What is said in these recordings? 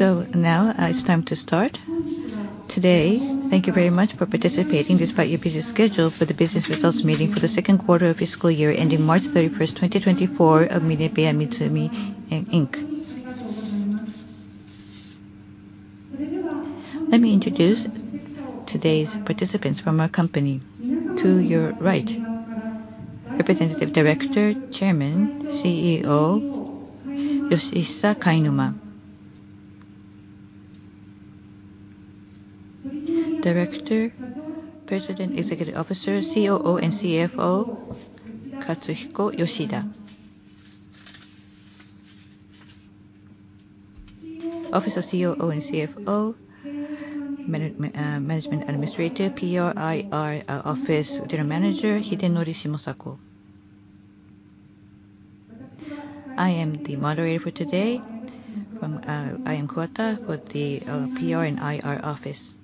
So now, it's time to start. Today, thank you very much for participating despite your busy schedule for the business results meeting for the second quarter of fiscal year ending March 31st, 2024 of MinebeaMitsumi, Inc. Let me introduce today's participants from our company. To your right, Representative Director, Chairman, CEO, Yoshihisa Kainuma. Director, President, Executive Officer, COO and CFO, Katsuhiko Yoshida. Office of COO and CFO, Management Administrator, PR and IR Office General Manager, Hidenori Shimosako. I am the moderator for today. I am Kuwata with the PR and IR office.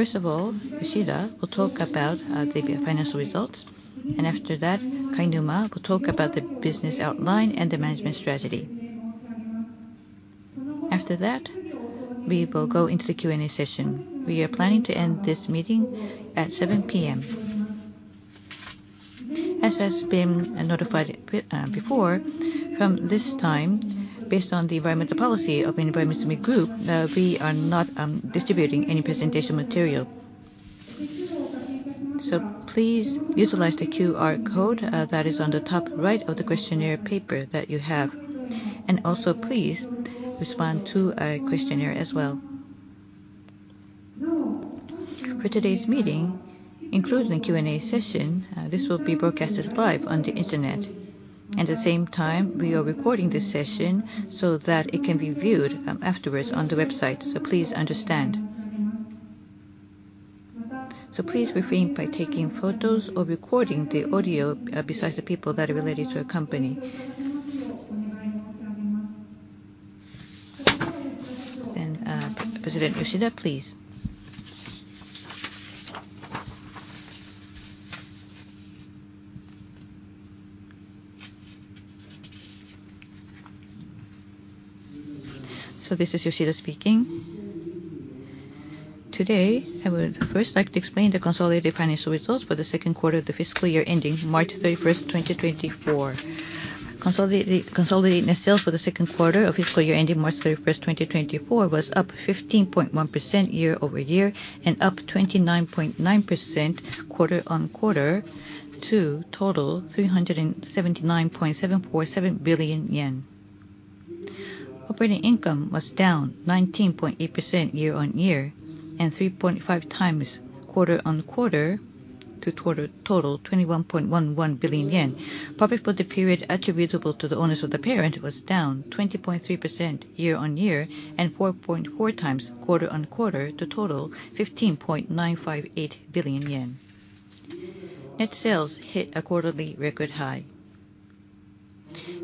First of all, Yoshida will talk about the financial results, and after that, Kainuma will talk about the business outline and the management strategy. After that, we will go into the Q&A session. We are planning to end this meeting at 7 P.M. As has been notified before, from this time, based on the environmental policy of MinebeaMitsumi Group, we are not distributing any presentation material. Please utilize the QR code that is on the top right of the questionnaire paper that you have, and also please respond to our questionnaire as well. For today's meeting, including the Q&A session, this will be broadcasted live on the internet. At the same time, we are recording this session so that it can be viewed afterwards on the website, so please understand. Please refrain by taking photos or recording the audio besides the people that are related to our company. Then, President Yoshida, please. So this is Yoshida speaking. Today, I would first like to explain the consolidated financial results for the second quarter of the fiscal year ending March 31st, 2024. Consolidated net sales for the second quarter of fiscal year ending March 31, 2024, was up 15.1% year-over-year and up 29.9% quarter-on-quarter to total 379.747 billion yen. Operating income was down 19.8% year-on-year and 3.5x quarter-on-quarter to total 21.11 billion yen. Profit for the period attributable to the owners of the parent was down 20.3% year-on-year and 4.4x quarter-on-quarter to total 15.958 billion yen. Net sales hit a quarterly record high.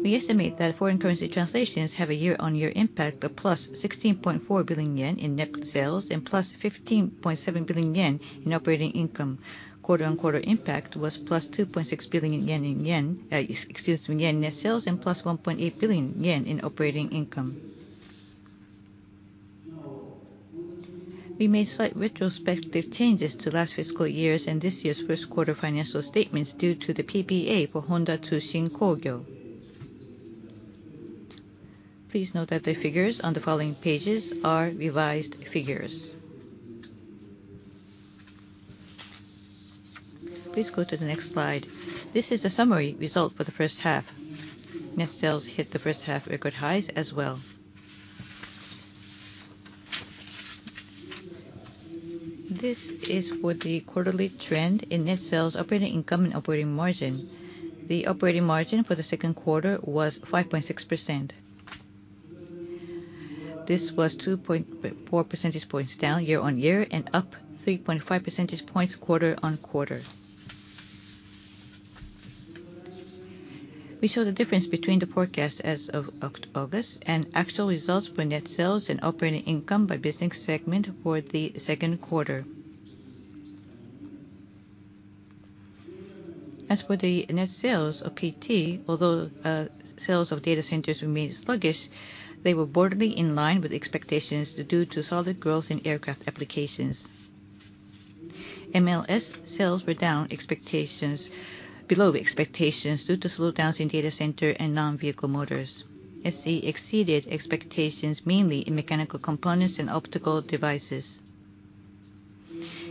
We estimate that foreign currency translations have a year-on-year impact of +16.4 billion yen in net sales and +15.7 billion yen in operating income. Quarter-on-quarter impact was +2.6 billion yen in yen, excuse me, yen net sales and +1.8 billion yen in operating income. We made slight retrospective changes to last fiscal year's and this year's first quarter financial statements due to the PPA for Honda Tsushin Kogyo. Please note that the figures on the following pages are revised figures. Please go to the next slide. This is a summary result for the first half. Net sales hit the first half record highs as well. This is for the quarterly trend in net sales, operating income, and operating margin. The operating margin for the second quarter was 5.6%. This was 2.4% points down year-on-year and up 3.5% points quarter-on-quarter. We show the difference between the forecast as of August and actual results for net sales and operating income by business segment for the second quarter. As for the net sales of PT, although sales of data centers remained sluggish, they were broadly in line with expectations due to solid growth in aircraft applications. MLS sales were below expectations due to slowdowns in data center and non-vehicle motors. OIS exceeded expectations mainly in mechanical components and optical devices.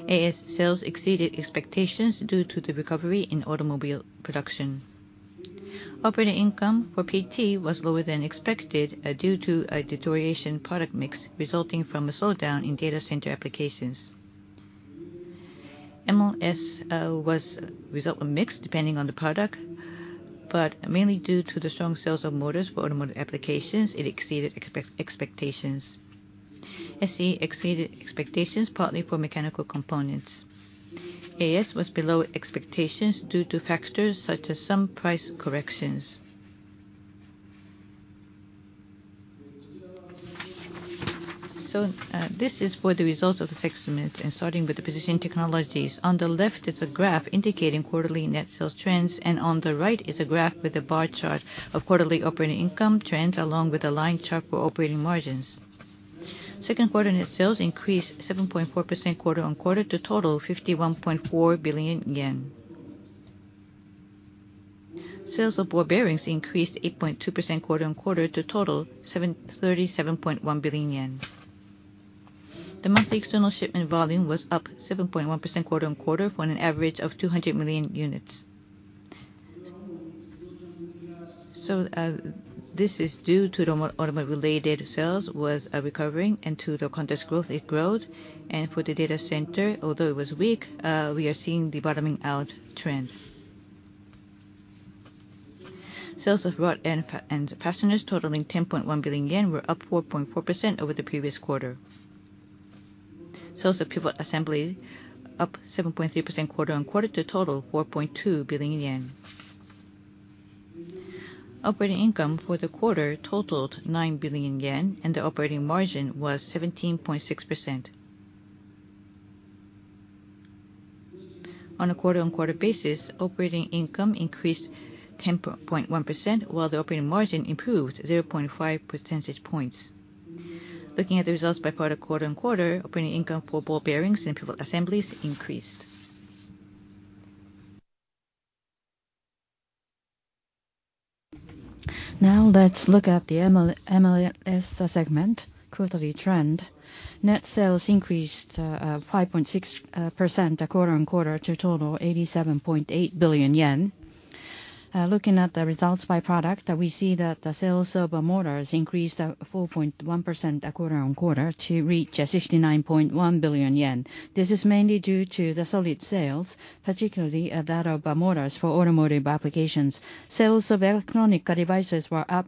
AS sales exceeded expectations due to the recovery in automobile production. Operating income for PT was lower than expected due to a deterioration in product mix, resulting from a slowdown in data center applications. MLS results were mixed depending on the product, but mainly due to the strong sales of motors for automotive applications, it exceeded expectations. OIS exceeded expectations, partly for mechanical components. AS was below expectations due to factors such as some price corrections. So, this is for the results of the segment, and starting with the Precision Technologies. On the left is a graph indicating quarterly net sales trends, and on the right is a graph with a bar chart of quarterly operating income trends, along with a line chart for operating margins. Second quarter net sales increased 7.4% quarter-on-quarter to total JPY 51.4 billion. Sales of ball bearings increased 8.2% quarter-on-quarter to total 37.1 billion yen. The monthly external shipment volume was up 7.1% quarter-on-quarter for an average of 200 million units. So, this is due to the automotive-related sales was recovering and to the constant growth, its growth. For the data center, although it was weak, we are seeing the bottoming out trend. Sales of rod-end fasteners totaling 10.1 billion yen were up 4.4% over the previous quarter. Sales of pivot assembly up 7.3% quarter-on-quarter to total 4.2 billion yen. Operating income for the quarter totaled 9 billion yen, and the operating margin was 17.6%. On a quarter-on-quarter basis, operating income increased 10.1%, while the operating margin improved 0.5% points. Looking at the results by product quarter-on-quarter, operating income for ball bearings and pivot assemblies increased. Now let's look at the MLS segment quarterly trend. Net sales increased 5.6% quarter-on-quarter to total 87.8 billion yen. Looking at the results by product, we see that the sales of our motors increased 4.1% quarter-on-quarter to reach 69.1 billion yen. This is mainly due to the solid sales, particularly that of motors for automotive applications. Sales of electronic devices were up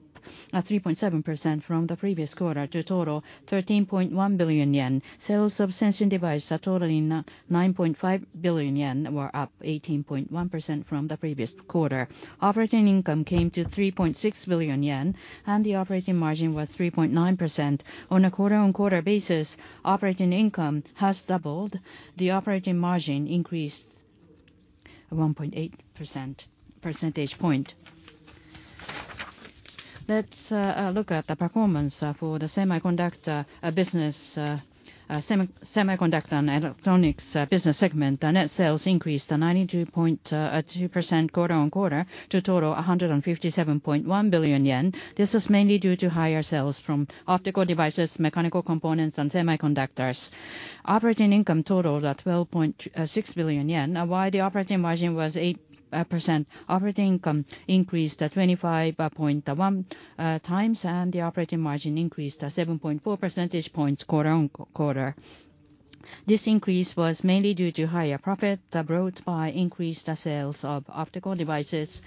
3.7% from the previous quarter to total 13.1 billion yen. Sales of sensing devices totaling 9.5 billion yen were up 18.1% from the previous quarter. Operating income came to 3.6 billion yen, and the operating margin was 3.9%. On a quarter-on-quarter basis, operating income has doubled. The operating margin increased 1.8% points. Let's look at the performance for the Semiconductor business Semiconductor and Electronics business segment. The net sales increased to 92.2% quarter-over-quarter to total 157.1 billion yen. This is mainly due to higher sales from optical devices, mechanical components, and Semiconductors. Operating income totaled 12.6 billion yen, while the operating margin was 8%. Operating income increased to 25.1x, and the operating margin increased 7.4% points quarter-over-quarter. This increase was mainly due to higher profit brought by increased sales of optical devices,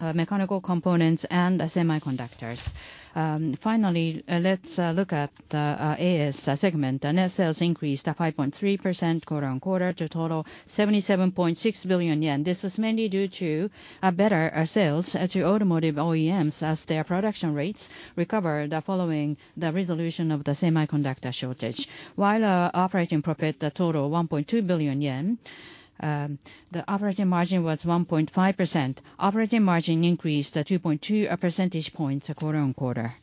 mechanical components, and Semiconductors. Finally, let's look at the AS segment. The net sales increased to 5.3% quarter-over-quarter to total 77.6 billion yen. This was mainly due to better sales to automotive OEMs as their production rates recover following the resolution of the semiconductor shortage. While operating profit total 1.2 billion yen, the operating margin was 1.5%. Operating margin increased to 2.2% points quarter-on-quarter.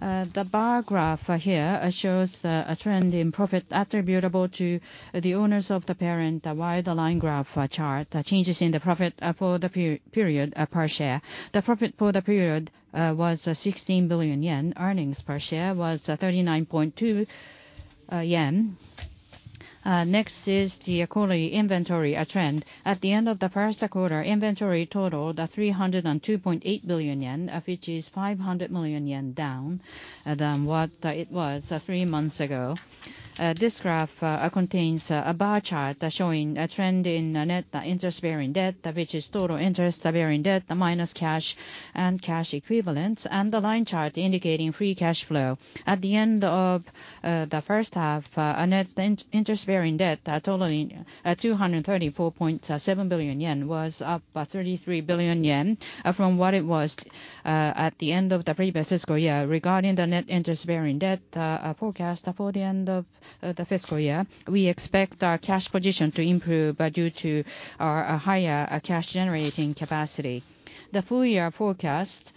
The bar graph here shows a trend in profit attributable to the owners of the parent, while the line graph chart changes in the profit for the period per share. The profit for the period was 16 billion yen. Earnings per share was 39.2 yen. Next is the quarterly inventory trend. At the end of the first quarter, inventory totaled 302.8 billion yen, which is 500 million yen down than what it was three months ago. This graph contains a bar chart showing a trend in net interest-bearing debt, which is total interest-bearing debt minus cash and cash equivalents, and the line chart indicating free cash flow. At the end of the first half, our net interest-bearing debt totaling 234.7 billion yen was up 33 billion yen from what it was at the end of the previous fiscal year. Regarding the net interest-bearing debt forecast for the end of the fiscal year, we expect our cash position to improve due to our higher cash generating capacity. The full-year forecast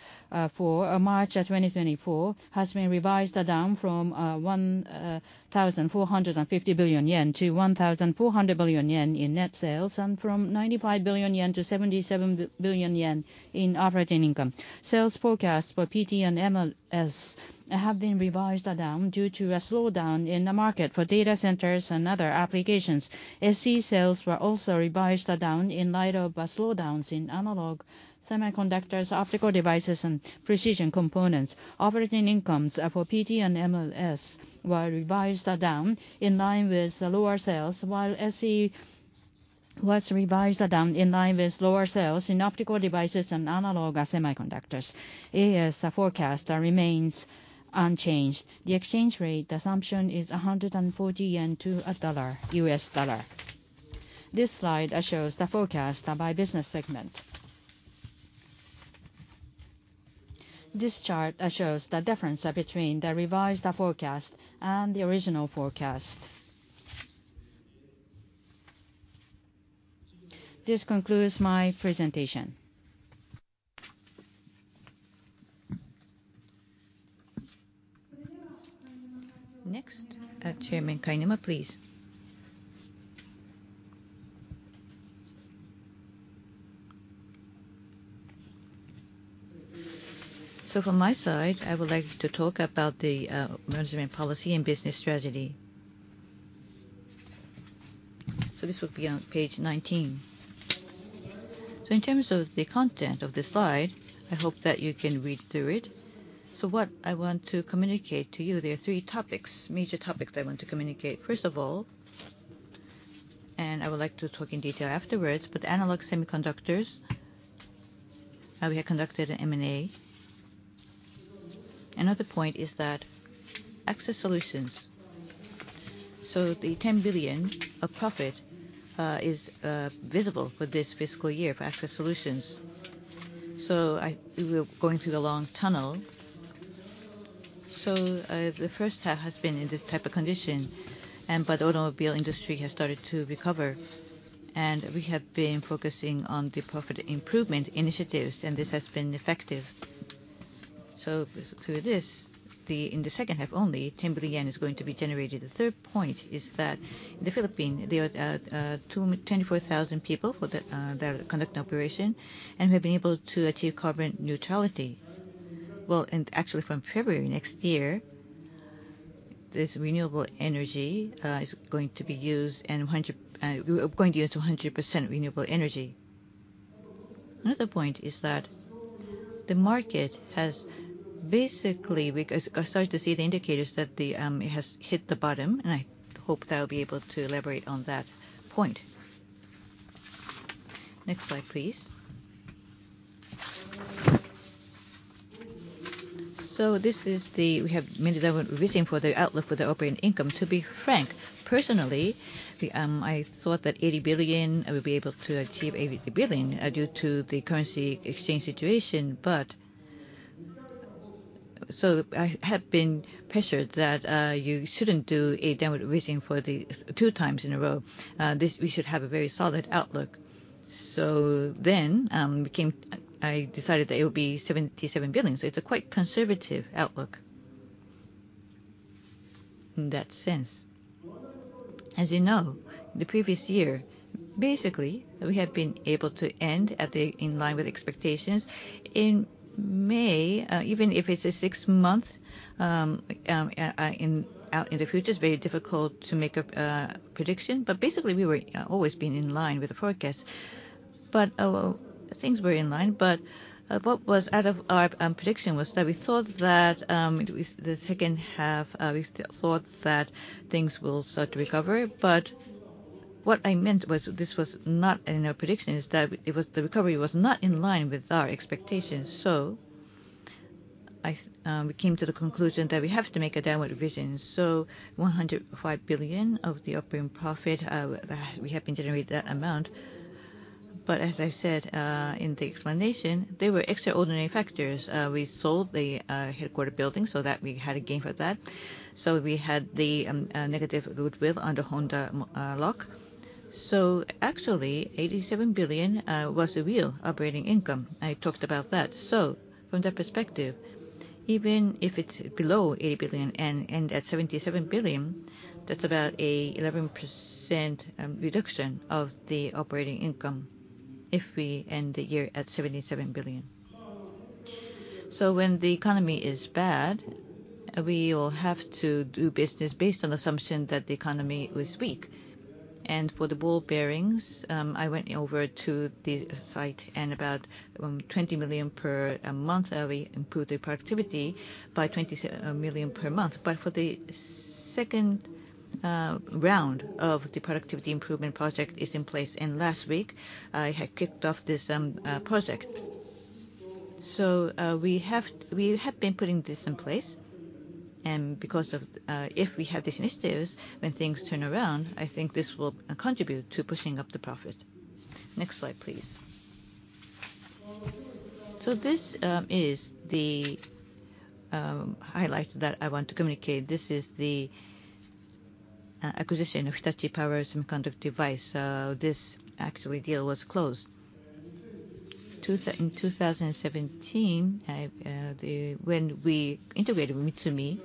for March 2024 has been revised down from 1,450 billion-1,400 billion yen in net sales, and from 95 billion-77 billion yen in operating income. Sales forecasts for PT and MLS have been revised down due to a slowdown in the market for data centers and other applications. SE sales were also revised down in light of slowdowns in analog semiconductors, optical devices, and precision components. Operating incomes for PT and MLS were revised down in line with lower sales, while SE was revised down in line with lower sales in optical devices and analog semiconductors. AS forecast remains unchanged. The exchange rate assumption is 140 yen to the U.S. dollar. This slide shows the forecast by business segment. This chart shows the difference between the revised forecast and the original forecast. This concludes my presentation. Next, Chairman Kainuma, please. So from my side, I would like to talk about the management policy and business strategy. So this will be on Page 19. So in terms of the content of this slide, I hope that you can read through it. So what I want to communicate to you, there are three topics, major topics I want to communicate. First of all, and I would like to talk in detail afterwards, but analog semiconductors, we have conducted an M&A. Another point is that Access Solutions. So the 10 billion of profit is visible for this fiscal year for Access Solutions. So we were going through the long tunnel. So the first half has been in this type of condition, and but automobile industry has started to recover, and we have been focusing on the profit improvement initiatives, and this has been effective. So through this, in the second half only, JPY 10 billion is going to be generated. The third point is that the Philippines, there are 24,000 people that conduct operation, and we've been able to achieve carbon neutrality. Well, and actually from February next year, this renewable energy is going to be used, and we're going to use 100% renewable energy. Another point is that the market has basically, we are starting to see the indicators that it has hit the bottom, and I hope that I'll be able to elaborate on that point. Next slide, please. So this is the. We have made a downward revision for the outlook for the operating income. To be frank, personally, I thought that 80 billion, I would be able to achieve 80 billion due to the currency exchange situation. I have been pressured that you shouldn't do a downward revision for the second time in a row. We should have a very solid outlook. I decided that it would be 77 billion. It's a quite conservative outlook in that sense. As you know, the previous year, basically, we have been able to end in line with expectations. In May, even if it's a six-month out in the future, it's very difficult to make a prediction, but basically, we have always been in line with the forecast. But, well, things were in line, but, what was out of our prediction was that we thought that, the, the second half, we still thought that things will start to recover. But what I meant was, this was not in our prediction, is that it was the recovery was not in line with our expectations. So I, we came to the conclusion that we have to make a downward revision. So 105 billion of the operating profit, we have been generating that amount. But as I said, in the explanation, there were extraordinary factors. We sold the, headquarters building so that we had a gain for that. So we had the, negative goodwill under Honda Lock. So actually, 87 billion, was the real operating income. I talked about that. From that perspective, even if it's below 80 billion and at 77 billion, that's about an 11% reduction of the operating income if we end the year at 77 billion. When the economy is bad, we will have to do business based on the assumption that the economy is weak. For the ball bearings, I went over to the site and about 20 million per month, we improved the productivity by 20 million per month. For the second round of the productivity improvement project, it is in place, and last week, I had kicked off this project. We have been putting this in place, and because of, if we have these initiatives, when things turn around, I think this will contribute to pushing up the profit. Next slide, please. So this is the highlight that I want to communicate. This is the acquisition of Hitachi Power Semiconductor. This actually deal was closed in 2017, when we integrated with Mitsumi,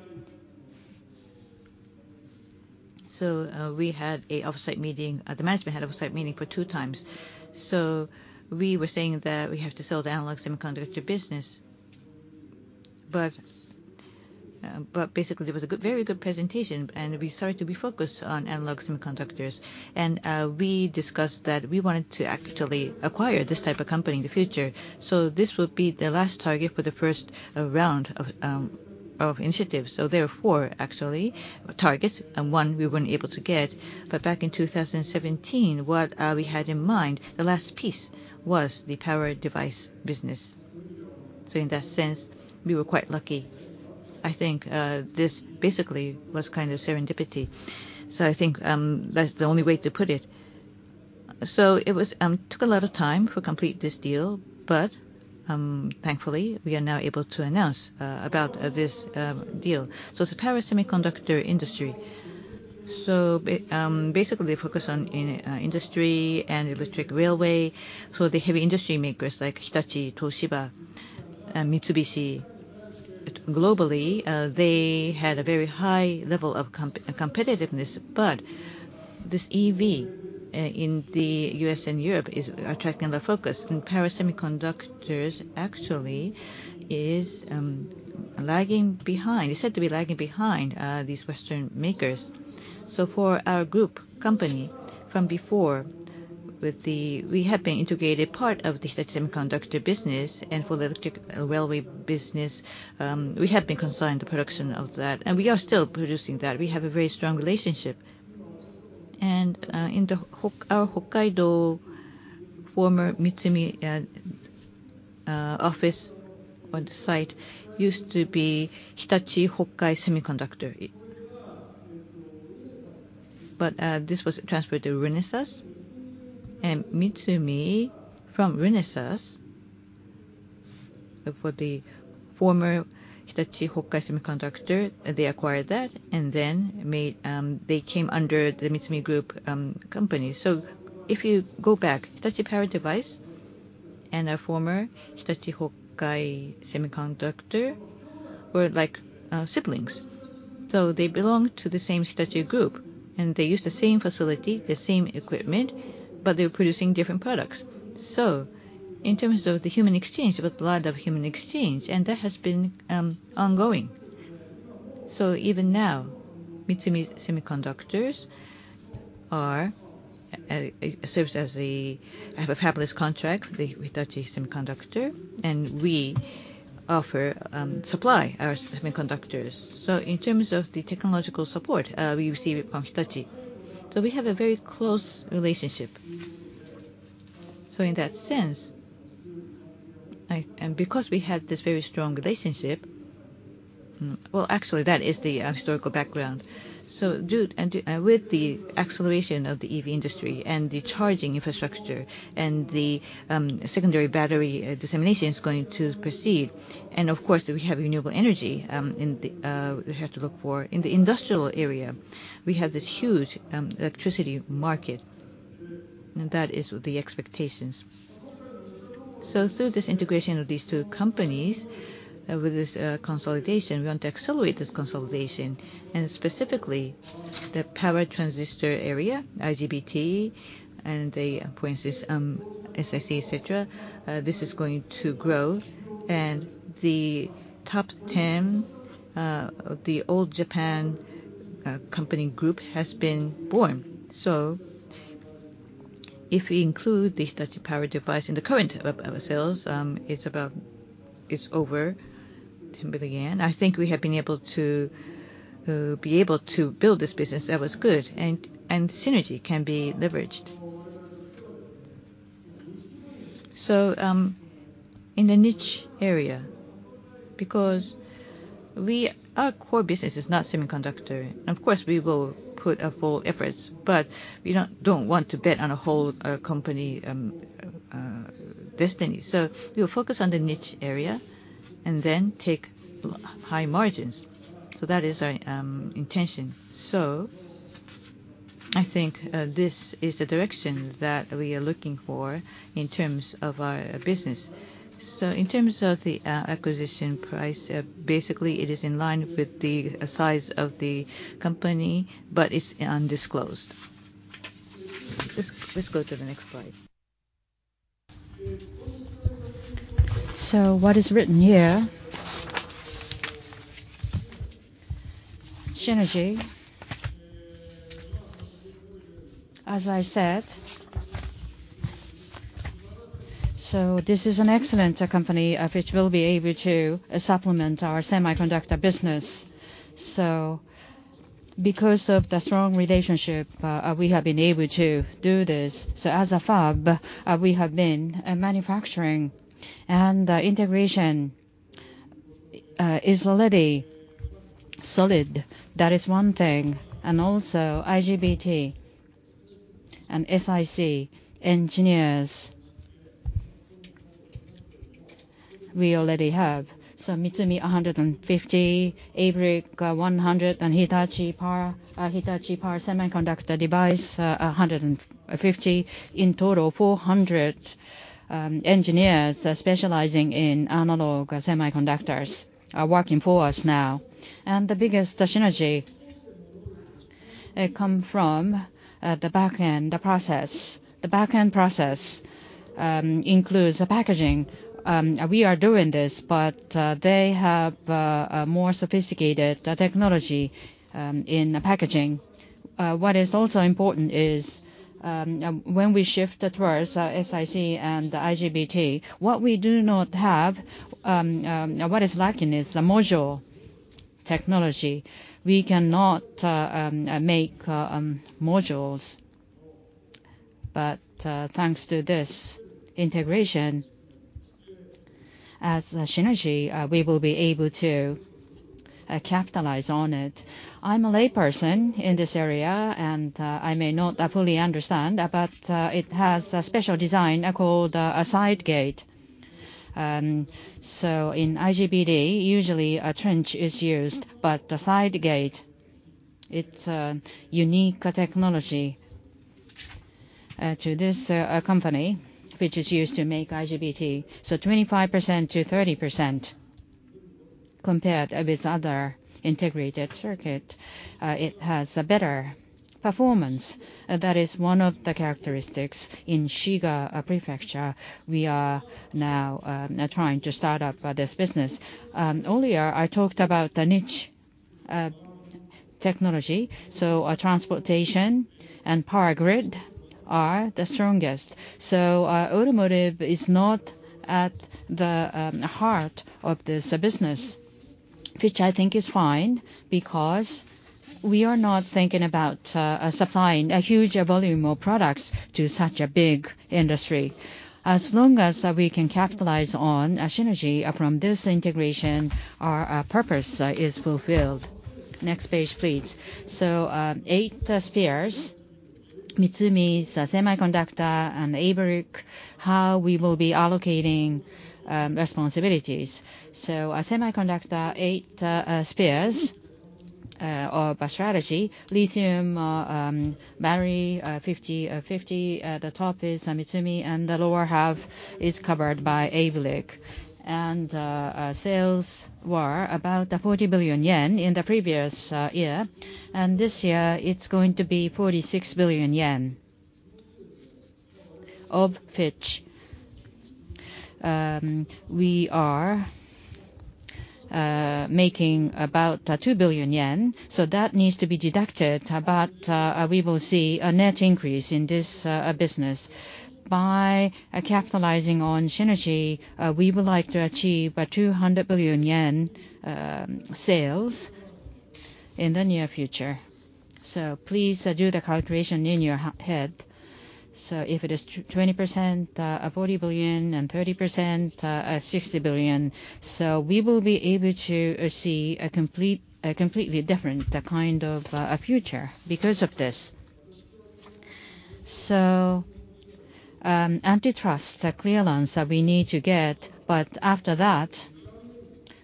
so we had an off-site meeting, the management had off-site meeting for 2x. So we were saying that we have to sell the analog semiconductor business, but basically, there was a good, very good presentation, and we started to be focused on Analog Semiconductors. We discussed that we wanted to actually acquire this type of company in the future. So this would be the last target for the first round of initiatives. So there are four actually targets, and one we weren't able to get. But back in 2017, what we had in mind, the last piece was the power device business. So in that sense, we were quite lucky. I think, this basically was kind of serendipity. So I think, that's the only way to put it. So it was, took a lot of time to complete this deal, but, thankfully, we are now able to announce about this deal. So it's the power semiconductor industry. So basically, focus on in industry and electric railway, so the heavy industry makers like Hitachi, Toshiba, and Mitsubishi. Globally, they had a very high level of competitiveness, but this EV in the U.S. and Europe is attracting the focus, and power semiconductors actually is, lagging behind. It's said to be lagging behind these Western makers. For our group company, from before, with the... We have been integrated part of the Hitachi Semiconductor business and for the electric railway business, we have been concerned the production of that, and we are still producing that. We have a very strong relationship. In our Hokkaido former Mitsumi office or the site used to be Hitachi Hokkai Semiconductor. This was transferred to Renesas, and Mitsumi, from Renesas, for the former Hitachi Hokkai Semiconductor, they acquired that and then made, they came under the Mitsumi Group company. If you go back, Hitachi Power Device and our former Hitachi Hokkai Semiconductor were like siblings, so they belong to the same Hitachi group, and they use the same facility, the same equipment, but they're producing different products. So in terms of the human exchange, there was a lot of human exchange, and that has been ongoing. So even now, Mitsumi Semiconductors are serves as the fabless contract for the Hitachi Semiconductor, and we offer supply our Semiconductors. So in terms of the technological support, we receive it from Hitachi, so we have a very close relationship. So in that sense, I... And because we had this very strong relationship, well, actually, that is the historical background. So due, and, with the acceleration of the EV industry and the charging infrastructure and the secondary battery dissemination is going to proceed, and of course, we have renewable energy in the we have to look for. In the industrial area, we have this huge electricity market, and that is the expectations. So through this integration of these two companies, with this consolidation, we want to accelerate this consolidation, and specifically, the power transistor area, IGBT, and the parenthesis SiC, et cetera, this is going to grow, and the top ten, the All-Japan company group has been born. So if we include the Hitachi Power Semiconductor Device in the current ourselves, it's about, it's over JPY 10 billion. I think we have been able to be able to build this business that was good, and synergy can be leveraged. So in the niche area, because we our core business is not Semiconductor. Of course, we will put a full efforts, but we not don't want to bet on a whole company destiny. So we'll focus on the niche area and then take high margins. So that is our intention. So I think this is the direction that we are looking for in terms of our business. So in terms of the acquisition price, basically, it is in line with the size of the company, but it's undisclosed. Let's go to the next slide. So what is written here, synergy. As I said... So this is an excellent company which will be able to supplement our semiconductor business. So because of the strong relationship we have been able to do this. So as a fab we have been manufacturing, and integration is already solid. That is one thing. And also, IGBT and SiC engineers, we already have. So Mitsumi, 150, ABLIC, 100, and Hitachi Power, Hitachi Power Semiconductor Device, 150. In total, 400 engineers specializing in analog semiconductors are working for us now. The biggest, the synergy, come from the back-end process. The back-end process includes the packaging. We are doing this, but they have a more sophisticated technology in the packaging. What is also important is when we shift towards our SiC and the IGBT, what we do not have, what is lacking is the module technology. We cannot make modules. but, thanks to this integration, as a synergy, we will be able to capitalize on it. I'm a layperson in this area, and I may not fully understand, but it has a special design called a side gate. So in IGBT, usually a trench is used, but the side gate, it's a unique technology to this company, which is used to make IGBT. So 25%-30% compared with other integrated circuit. It has a better performance. That is one of the characteristics. In Shiga Prefecture, we are now trying to start up this business. Earlier, I talked about the niche technology, so our transportation and power grid are the strongest. So, automotive is not at the heart of this business, which I think is fine, because we are not thinking about supplying a huge volume of products to such a big industry. As long as we can capitalize on a synergy from this integration, our purpose is fulfilled. Next page, please. So, Eight Spheres. Mitsumi's semiconductor and ABLIC, how we will be allocating responsibilities. So a semiconductor, E Spheres of a strategy. Lithium battery, 50/50, the top is Mitsumi, and the lower half is covered by ABLIC. Sales were about 40 billion yen in the previous year, and this year it's going to be 46 billion yen, of which we are making about 2 billion yen, so that needs to be deducted. We will see a net increase in this business. By capitalizing on synergy, we would like to achieve 200 billion yen sales in the near future. Please do the calculation in your head. If it is 20%, 40 billion, and 30%, 60 billion, we will be able to see a completely different kind of future because of this. Antitrust, the clearance that we need to get, but after that,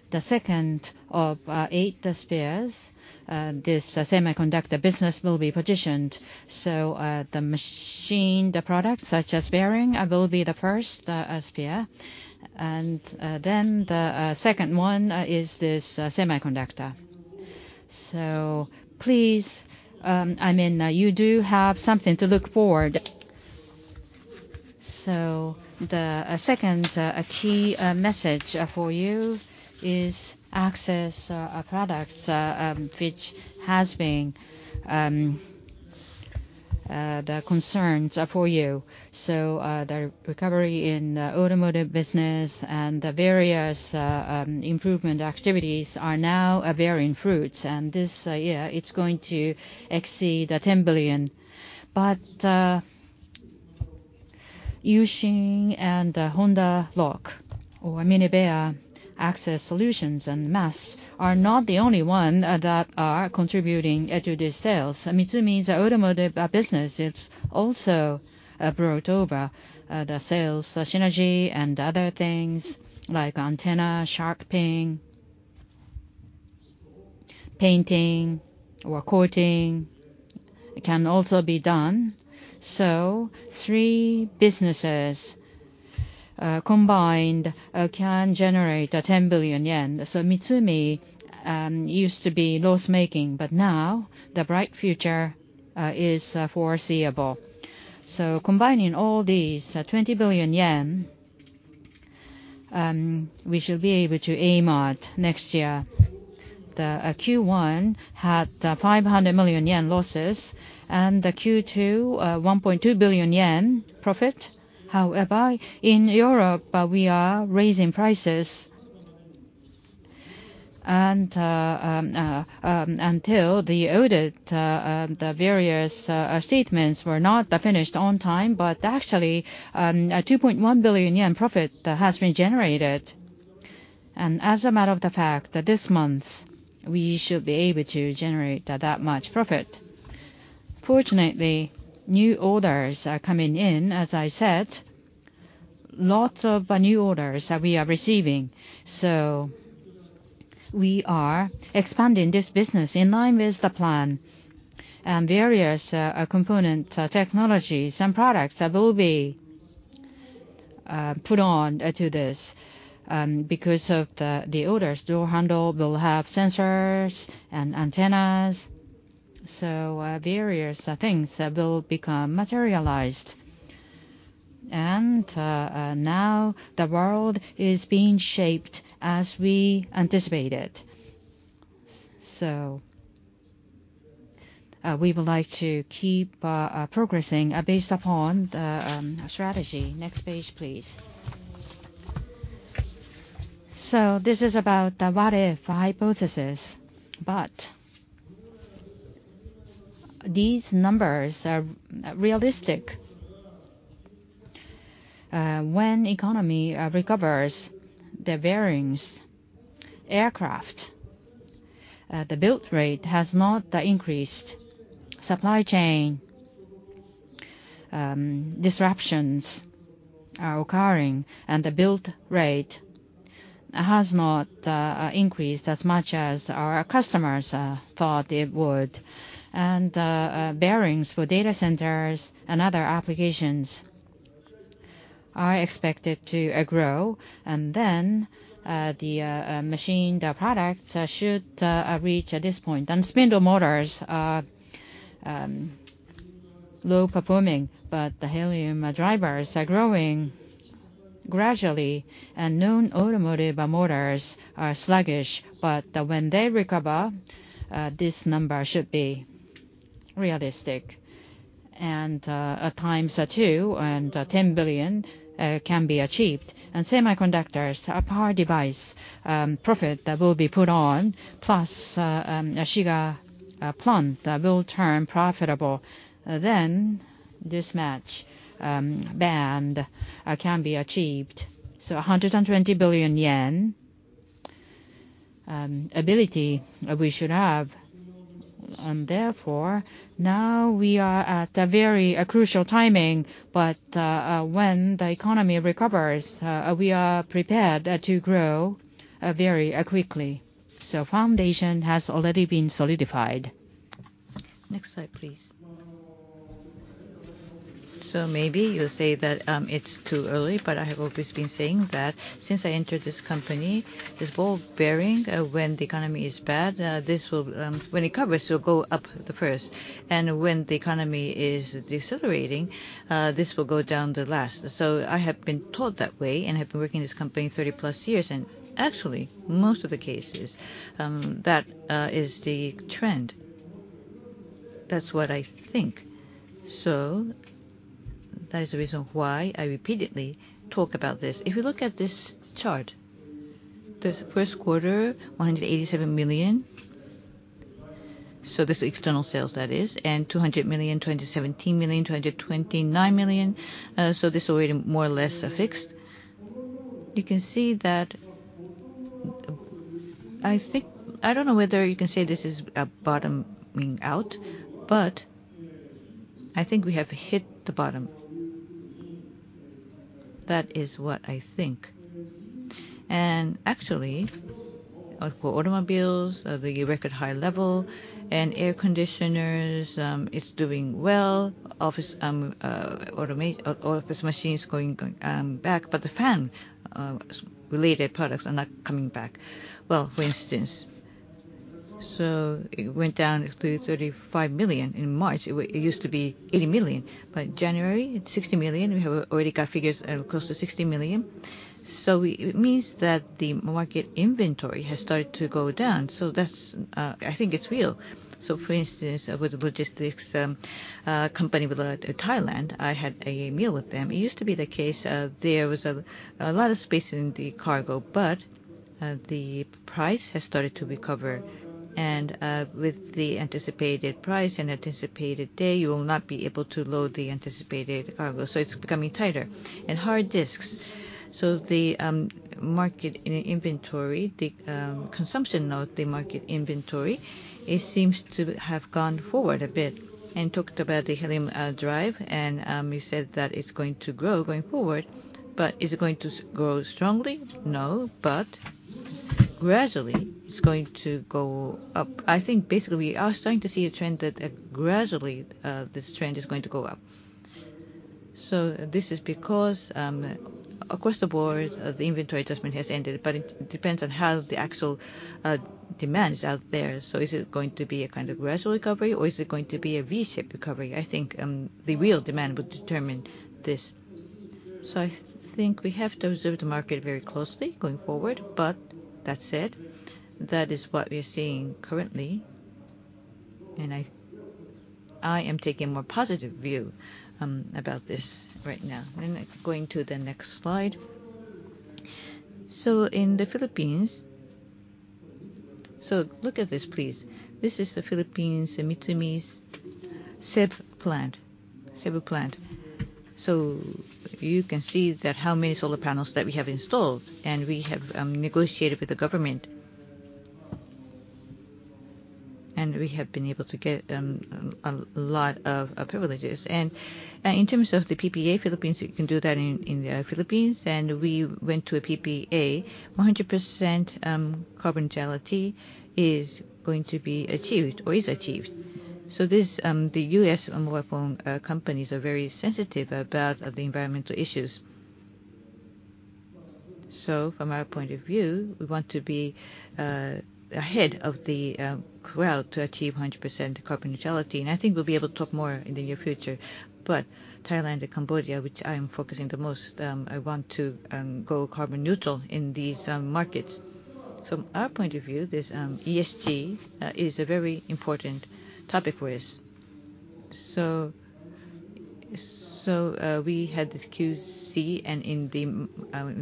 the second of Eight Spears, this semiconductor business will be petitioned. The machined products such as bearing, will be the first spear, and the second one is this semiconductor. Please, I mean, you do have something to look forward. So the second key message for you is Access products, which has been the concerns for you. So the recovery in the automotive business and the various improvement activities are now bearing fruits, and this year, it's going to exceed 10 billion. But U-Shin and Honda Lock or Minebea Access Solutions and MAS are not the only one that are contributing to the sales. Mitsumi's automotive business, it's also brought over the sales, the synergy and other things like antennas, shark fin, painting or coating can also be done. So three businesses combined can generate 10 billion yen. So Mitsumi used to be loss-making, but now the bright future is foreseeable. So combining all these, 20 billion yen, we should be able to aim at next year. The Q1 had 500 million yen losses, and the Q2 one point two billion yen profit. However, in Europe, we are raising prices. Until the audit, the various statements were not finished on time, but actually, a 2.1 billion yen profit has been generated. As a matter of the fact that this month, we should be able to generate that much profit. Fortunately, new orders are coming in. As I said, lots of new orders that we are receiving, so we are expanding this business in line with the plan. Various component technologies and products that will be put on to this because of the orders. Door handle will have sensors and antennas, so various things will become materialized. Now the world is being shaped as we anticipated. So we would like to keep progressing based upon the strategy. Next page, please. ...So this is about the what if hypothesis, but these numbers are realistic. When economy recovers, the bearings, aircraft, the build rate has not increased. Supply chain disruptions are occurring, and the build rate has not increased as much as our customers thought it would. And bearings for data centers and other applications are expected to grow, and then the machine, the products should reach at this point. And spindle motors are low-performing, but the helium drives are growing gradually, and non-automotive motors are sluggish. But when they recover, this number should be realistic. And at times are 2 billion and 10 billion can be achieved. Semiconductors are power device profit that will be put on, plus Shiga plant that will turn profitable, then this match band can be achieved. So 120 billion yen ability we should have. And therefore, now we are at a very crucial timing. But when the economy recovers, we are prepared to grow very quickly. So foundation has already been solidified. Next slide, please. So maybe you'll say that it's too early, but I have always been saying that since I entered this company, this ball bearing, when the economy is bad, this will, when it recovers, it will go up the first, and when the economy is decelerating, this will go down the last. So I have been taught that way, and I've been working in this company 30+ years, and actually, most of the cases, that is the trend. That's what I think. So that is the reason why I repeatedly talk about this. If you look at this chart, there's the first quarter, 187 million. So this is external sales, that is, and 200 million, 217 million, 229 million. So this is already more or less fixed. You can see that. I think, I don't know whether you can say this is bottoming out, but I think we have hit the bottom. That is what I think. And actually, for automobiles, the record high level and air conditioners, it's doing well. Office machines going back, but the fan related products are not coming back. Well, for instance, so it went down to 35 million in March. It used to be 80 million, but January, it's 60 million. We have already got figures of close to 60 million. So it means that the market inventory has started to go down. So that's, I think it's real. So for instance, with the logistics company with Thailand, I had a meal with them. It used to be the case, there was a lot of space in the cargo, but the price has started to recover. And with the anticipated price and anticipated day, you will not be able to load the anticipated cargo, so it's becoming tighter. And hard disks, so the market in inventory, the consumption of the market inventory, it seems to have gone forward a bit. And talked about the helium drive, and we said that it's going to grow going forward, but is it going to grow strongly? No, but gradually, it's going to go up. I think basically, we are starting to see a trend that gradually this trend is going to go up. So this is because across the board the inventory adjustment has ended, but it depends on how the actual demand is out there. So is it going to be a kind of gradual recovery, or is it going to be a V-shaped recovery? I think the real demand would determine this. So I think we have to observe the market very closely going forward, but that said, that is what we're seeing currently, and I, I am taking a more positive view about this right now. Going to the next slide. In the Philippines. Look at this, please. This is the Philippines, the Mitsumi's Cebu plant, Cebu plant. So you can see that how many solar panels that we have installed, and we have negotiated with the government. And we have been able to get a lot of privileges. And in terms of the PPA, Philippines, you can do that in the Philippines. And we went to a PPA. 100% carbon neutrality is going to be achieved or is achieved. So this, the U.S. mobile phone companies are very sensitive about the environmental issues. So from our point of view, we want to be ahead of the crowd to achieve 100% carbon neutrality, and I think we'll be able to talk more in the near future. But Thailand and Cambodia, which I'm focusing the most, I want to go carbon neutral in these markets. So our point of view, this ESG is a very important topic for us. So- So, we had this QC, and in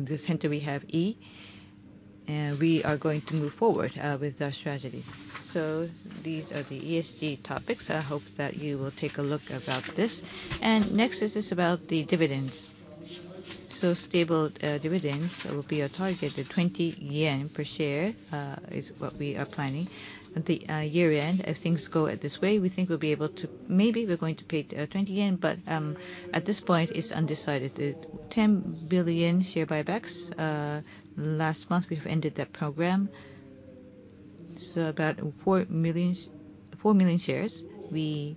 the center we have E. And we are going to move forward with our strategy. So these are the ESG topics. I hope that you will take a look about this. And next, this is about the dividends. So stable dividends will be our target, at 20 yen per share is what we are planning. At the year-end, if things go at this way, we think we'll be able to—maybe we're going to pay 20 yen, but at this point, it's undecided. The 10 billion share buybacks, last month we have ended that program. So about 4 million, 4 million shares, we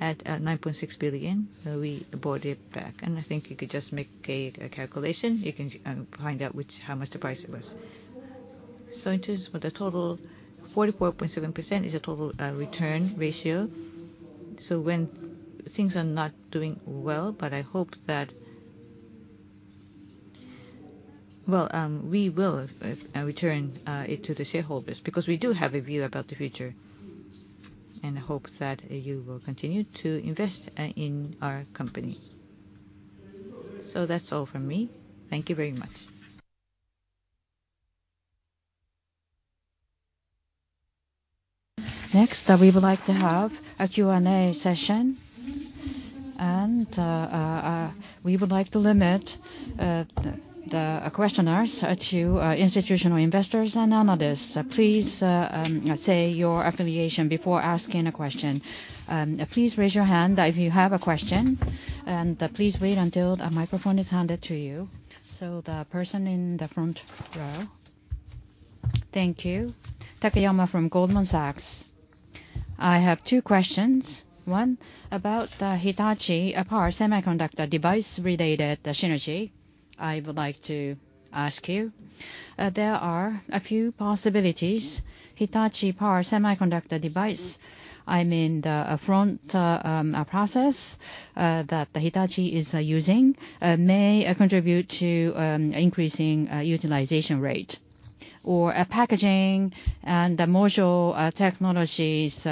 add 9.6 billion, we bought it back. And I think you could just make a calculation. You can find out which, how much the price it was. So in terms for the total, 44.7% is a total return ratio. So when things are not doing well, but I hope that... Well, we will return it to the shareholders, because we do have a view about the future, and I hope that you will continue to invest in our company. So that's all from me. Thank you very much. Next, we would like to have a Q&A session, and we would like to limit the questioners to institutional investors and analysts. Please say your affiliation before asking a question. Please raise your hand if you have a question, and please wait until a microphone is handed to you. So the person in the front row. Thank you. Takayama from Goldman Sachs. I have two questions. One, about the Hitachi Power Semiconductor Device related synergy I would like to ask you. There are a few possibilities. Hitachi Power Semiconductor Device, I mean, the front process that Hitachi is using may contribute to increasing utilization rate, or a packaging and module technologies,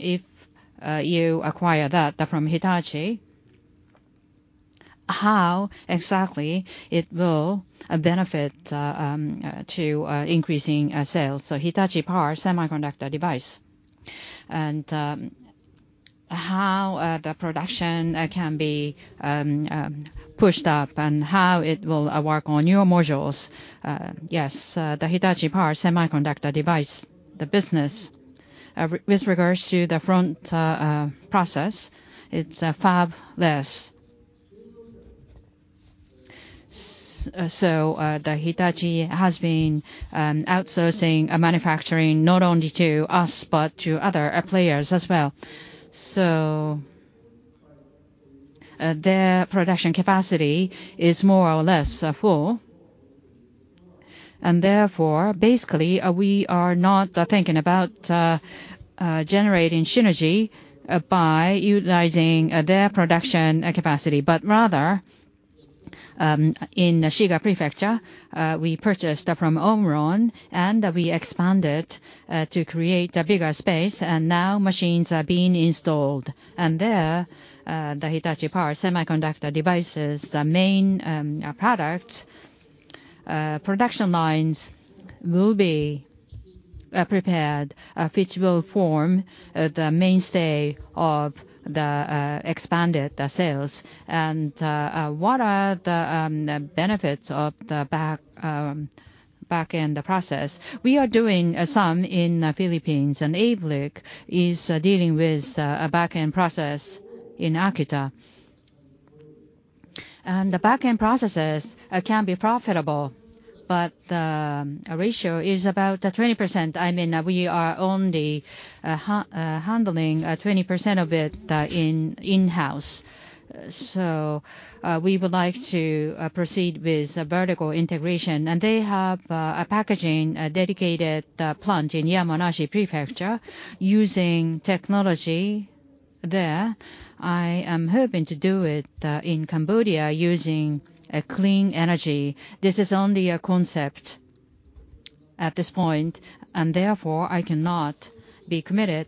if you acquire that from Hitachi, how exactly it will benefit to increasing sales? So Hitachi Power Semiconductor Device, and how the production can be pushed up, and how it will work on your modules? Yes, the Hitachi Power Semiconductor Device, the business. With regards to the front process, it's fabless. So, the Hitachi has been outsourcing manufacturing not only to us, but to other players as well. So, their production capacity is more or less full, and therefore, basically, we are not thinking about generating synergy by utilizing their production capacity. But rather, in Shiga Prefecture, we purchased from Omron, and we expanded to create a bigger space, and now machines are being installed. And there, the Hitachi Power Semiconductor Device, the main product production lines will be prepared, which will form the mainstay of the expanded sales. And, what are the benefits of the back-end process? We are doing some in Philippines, and ABLIC is dealing with a back-end process in Akita. The back-end processes can be profitable, but the ratio is about 20%. I mean, we are only handling 20% of it in-house. So, we would like to proceed with vertical integration, and they have a packaging, a dedicated plant in Yamanashi Prefecture, using technology there. I am hoping to do it in Cambodia, using clean energy. This is only a concept at this point, and therefore, I cannot be committed.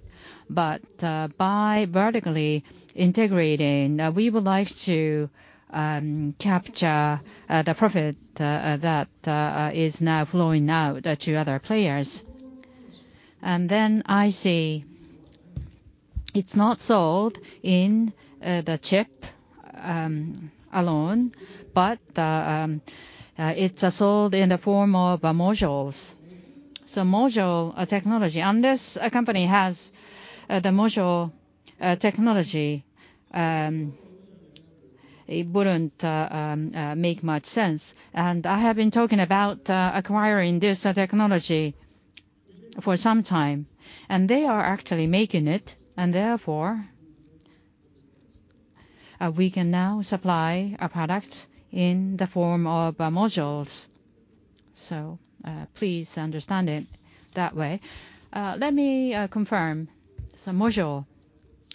But, by vertically integrating, we would like to capture the profit that is now flowing out to other players. And then IC, it's not sold in the chip alone, but it's sold in the form of modules. So module technology, unless a company has the module technology, it wouldn't make much sense. And I have been talking about acquiring this technology for some time, and they are actually making it, and therefore we can now supply our products in the form of modules. So please understand it that way. Let me confirm.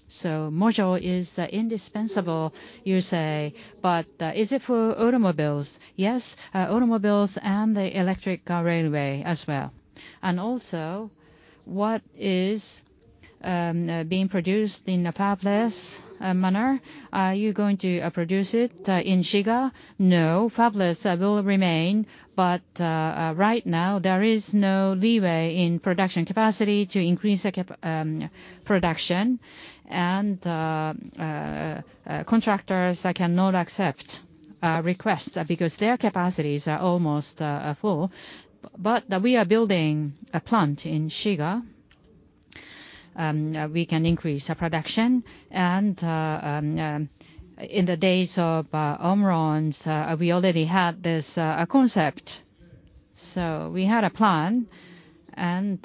So module is indispensable, you say, but is it for automobiles? Yes, automobiles and the electric railway as well. And also, what is being produced in the fabless manner, are you going to produce it in Shiga? No, fabless will remain, but right now there is no leeway in production capacity to increase production. Contractors, they cannot accept requests because their capacities are almost full. But we are building a plant in Shiga. We can increase our production. In the days of Omron's, we already had this concept. So we had a plan, and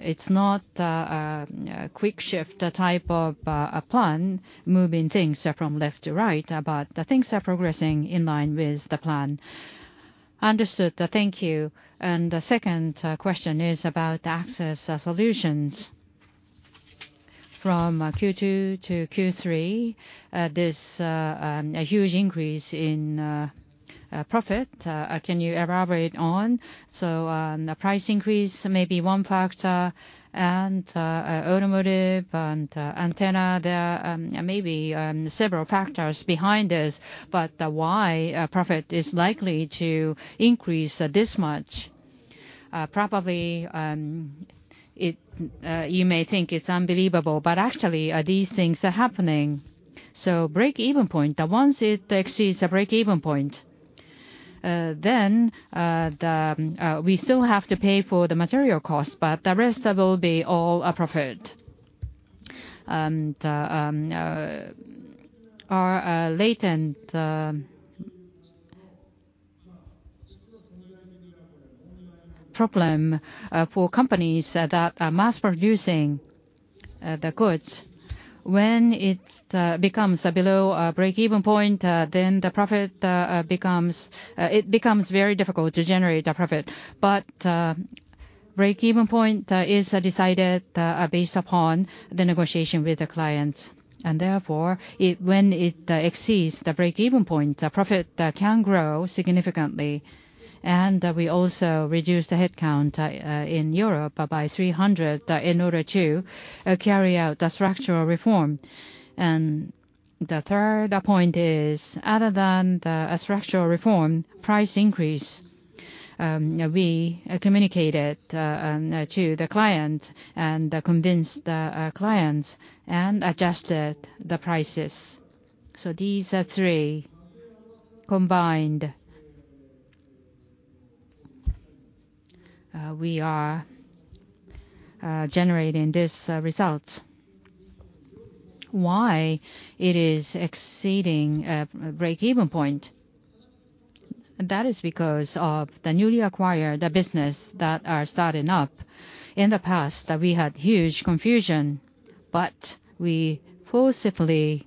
it's not a quick shift type of a plan moving things from left to right, but the things are progressing in line with the plan. Understood. Thank you. And the second question is about the Access solutions. From Q2-Q3, there's a huge increase in profit. Can you elaborate on? So, the price increase may be one factor and automotive and antenna, there are maybe several factors behind this, but why profit is likely to increase this much? Probably, you may think it's unbelievable, but actually, these things are happening. So break-even point, that once it exceeds the break-even point, then we still have to pay for the material costs, but the rest will be all profit. And our latent problem for companies that are mass producing the goods, when it becomes below our break-even point, then the profit becomes it becomes very difficult to generate a profit. But break-even point is decided based upon the negotiation with the clients, and therefore, when it exceeds the break-even point, profit can grow significantly. And we also reduced the headcount in Europe by 300 in order to carry out the structural reform. And the third point is, other than the structural reform, price increase, we communicated to the client and convinced the clients and adjusted the prices. So these three combined, we are generating this result. Why it is exceeding break-even point? That is because of the newly acquired, the business that are starting up. In the past, we had huge confusion, but we positively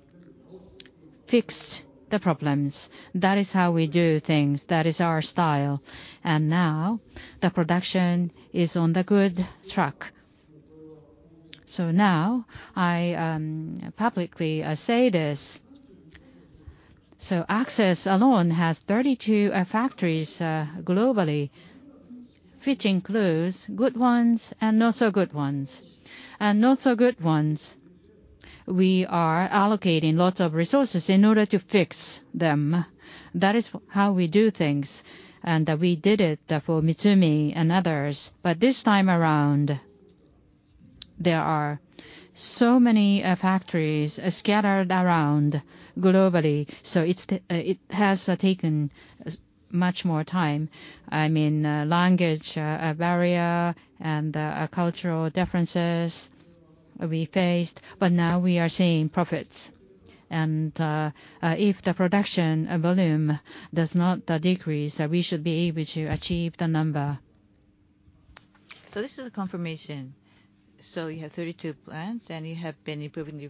fixed the problems. That is how we do things. That is our style. And now the production is on the good track. So now I publicly say this: So Access alone has 32 factories globally, which includes good ones and not-so-good ones. And not-so-good ones, we are allocating lots of resources in order to fix them. That is how we do things, and we did it for Mitsumi and others. But this time around, there are so many factories scattered around globally, so it has taken much more time. I mean, language barrier and cultural differences we faced, but now we are seeing profits. And if the production volume does not decrease, we should be able to achieve the number. So this is a confirmation. So you have 32 plants, and you have been improving the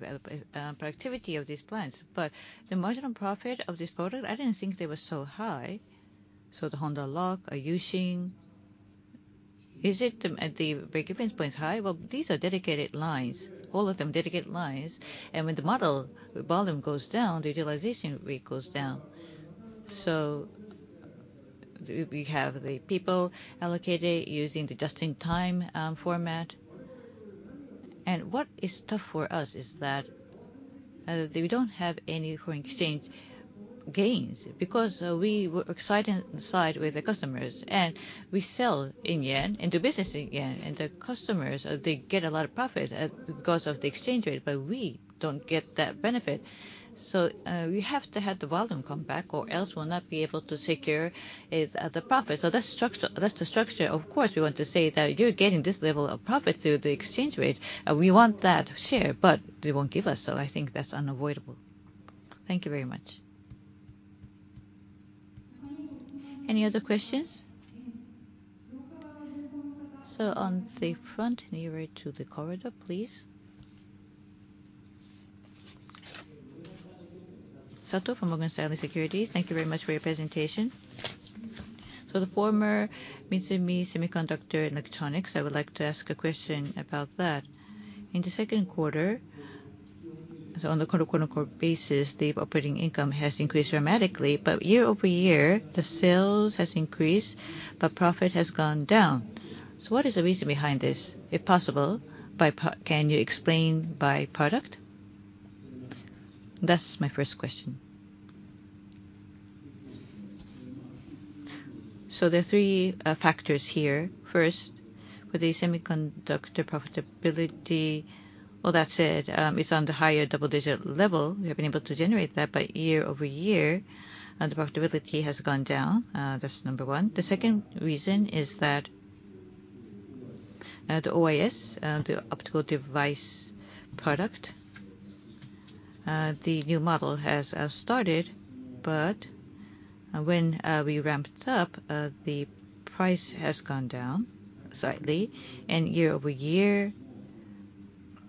productivity of these plants. But the marginal profit of this product, I didn't think they were so high. So the Honda Lock, U-Shin, is it at the break-even point high? Well, these are dedicated lines, all of them dedicated lines, and when the model volume goes down, the utilization rate goes down. So we have the people allocated using the just-in-time format. And what is tough for us is that we don't have any foreign exchange gains, because we work side by side with the customers, and we sell in yen, and do business in yen, and the customers they get a lot of profit because of the exchange rate, but we don't get that benefit. So, we have to have the volume come back, or else we'll not be able to secure the profit. So that's structure, that's the structure. Of course, we want to say that you're getting this level of profit through the exchange rate, and we want that share, but they won't give us, so I think that's unavoidable. Thank you very much. Any other questions? So on the front, nearer to the corridor, please. Sato from Morgan Stanley MUFG Securities. Thank you very much for your presentation. So the former Mitsumi Semiconductor Electronics, I would like to ask a question about that. In the second quarter, so on the quote-unquote "basis," the operating income has increased dramatically. But year-over-year, the sales has increased, but profit has gone down. So what is the reason behind this? If possible, can you explain by product? That's my first question. So there are three factors here. First, with the semiconductor profitability, well, that's it. It's on the higher double-digit level. We have been able to generate that, but year-over-year, the profitability has gone down. That's number one. The second reason is that, the OIS, the optical device product, the new model has started, but when we ramped up, the price has gone down slightly. And year-over-year,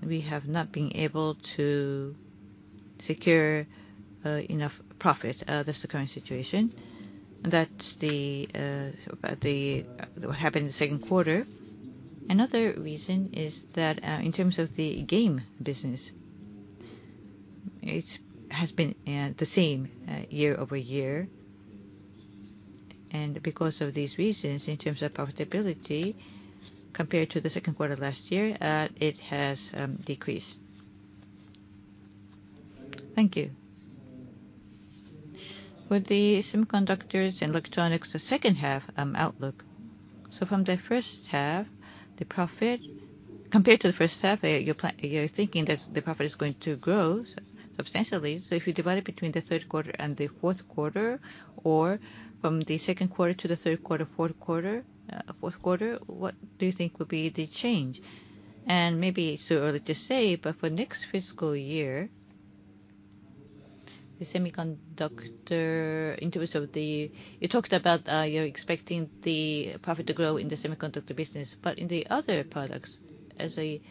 we have not been able to secure enough profit. That's the current situation. That's the, so but the, what happened in the second quarter. Another reason is that, in terms of the game business, it's has been, the same, year-over-year. And because of these reasons, in terms of profitability, compared to the second quarter last year, it has decreased. Thank you. With the Semiconductors and Electronics, the second half, outlook, so from the first half, the profit... Compared to the first half, you're plan- you're thinking that the profit is going to grow substantially. So if you divide it between the third quarter and the fourth quarter, or from the second quarter to the third quarter, fourth quarter, fourth quarter, what do you think will be the change? And maybe it's too early to say, but for next fiscal year, the semiconductor, in terms of the... You talked about, you're expecting the profit to grow in the semiconductor business, but in the other products, as a,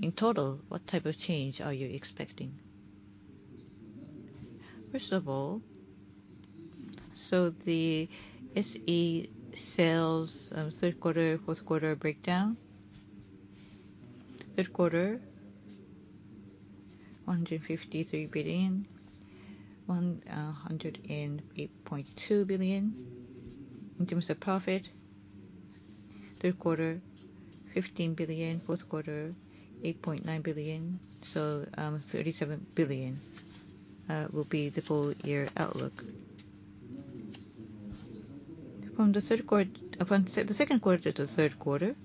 in total, what type of change are you expecting? First of all, so the SE sales, third quarter, fourth quarter breakdown, third quarter, 153 billion, 108.2 billion. In terms of profit, third quarter, 15 billion, fourth quarter, 8.9 billion, so, 37 billion, will be the full year outlook. From the third quarter, from the second quarter to the third quarter,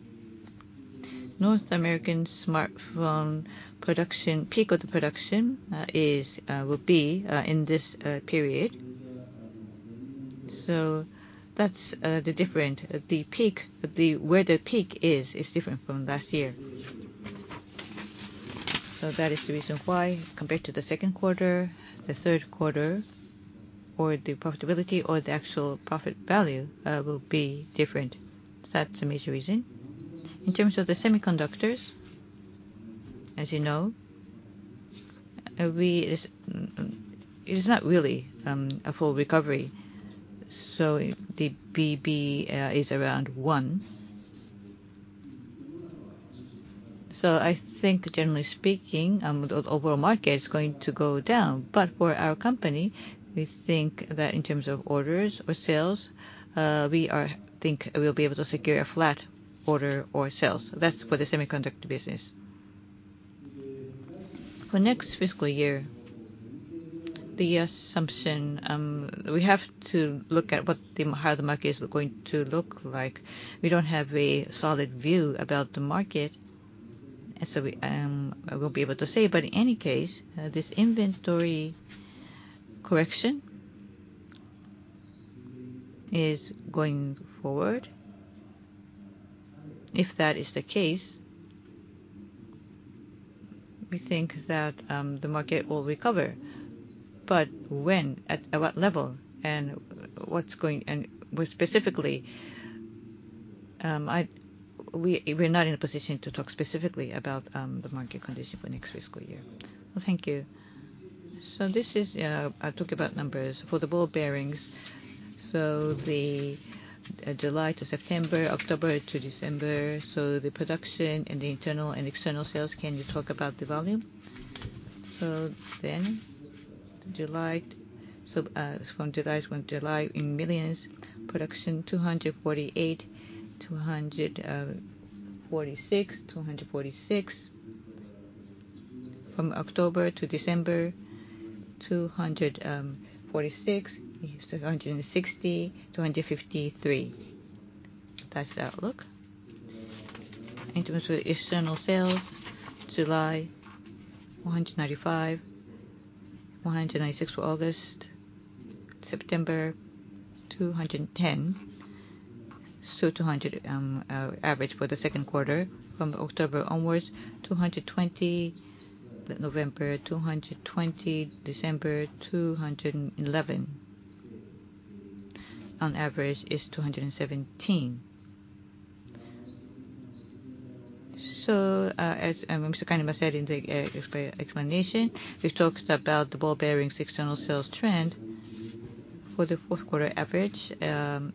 North American smartphone production, peak of the production, is, will be, in this period. So that's the different, the peak, the where the peak is, is different from last year. So that is the reason why, compared to the second quarter, the third quarter, or the profitability or the actual profit value, will be different. So that's the major reason. In terms of the semiconductors, as you know, we, it's, it is not really, a full recovery, so the BB, is around one. So I think generally speaking, the overall market is going to go down, but for our company, we think that in terms of orders or sales, we are think we'll be able to secure a flat order or sales. That's for the Semiconductor business. For next fiscal year, the assumption, we have to look at what the, how the market is going to look like. We don't have a solid view about the market, and so we will be able to say, but in any case, this inventory correction is going forward. If that is the case, we think that the market will recover. But when, at what level, and what's going, and more specifically, I, we, we're not in a position to talk specifically about the market condition for next fiscal year. Well, thank you. So this is, I'll talk about numbers. For the ball bearings, so the July to September, October to December, so the production and the internal and external sales, can you talk about the volume? Then from July to July, in millions, production 248, 246, 246. From October to December, 246, 660, 253. That's the outlook. In terms of the external sales, July 195, 196 for August, September 210, so 200 average for the second quarter. From October onwards, 220, November 220, December 211. On average, is 217. So, as Mr. Kainuma said in the explanation, we talked about the ball bearings external sales trend. For the fourth quarter average, about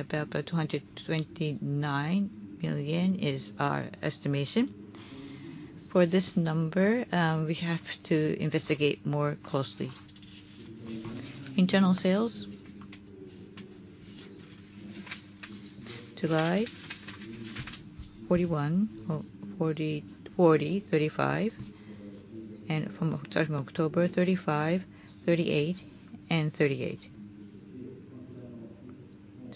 229 million is our estimation. For this number, we have to investigate more closely. Internal sales, July, 41, or 40, 40, 35, and from, starting from October, 35, 38, and 38.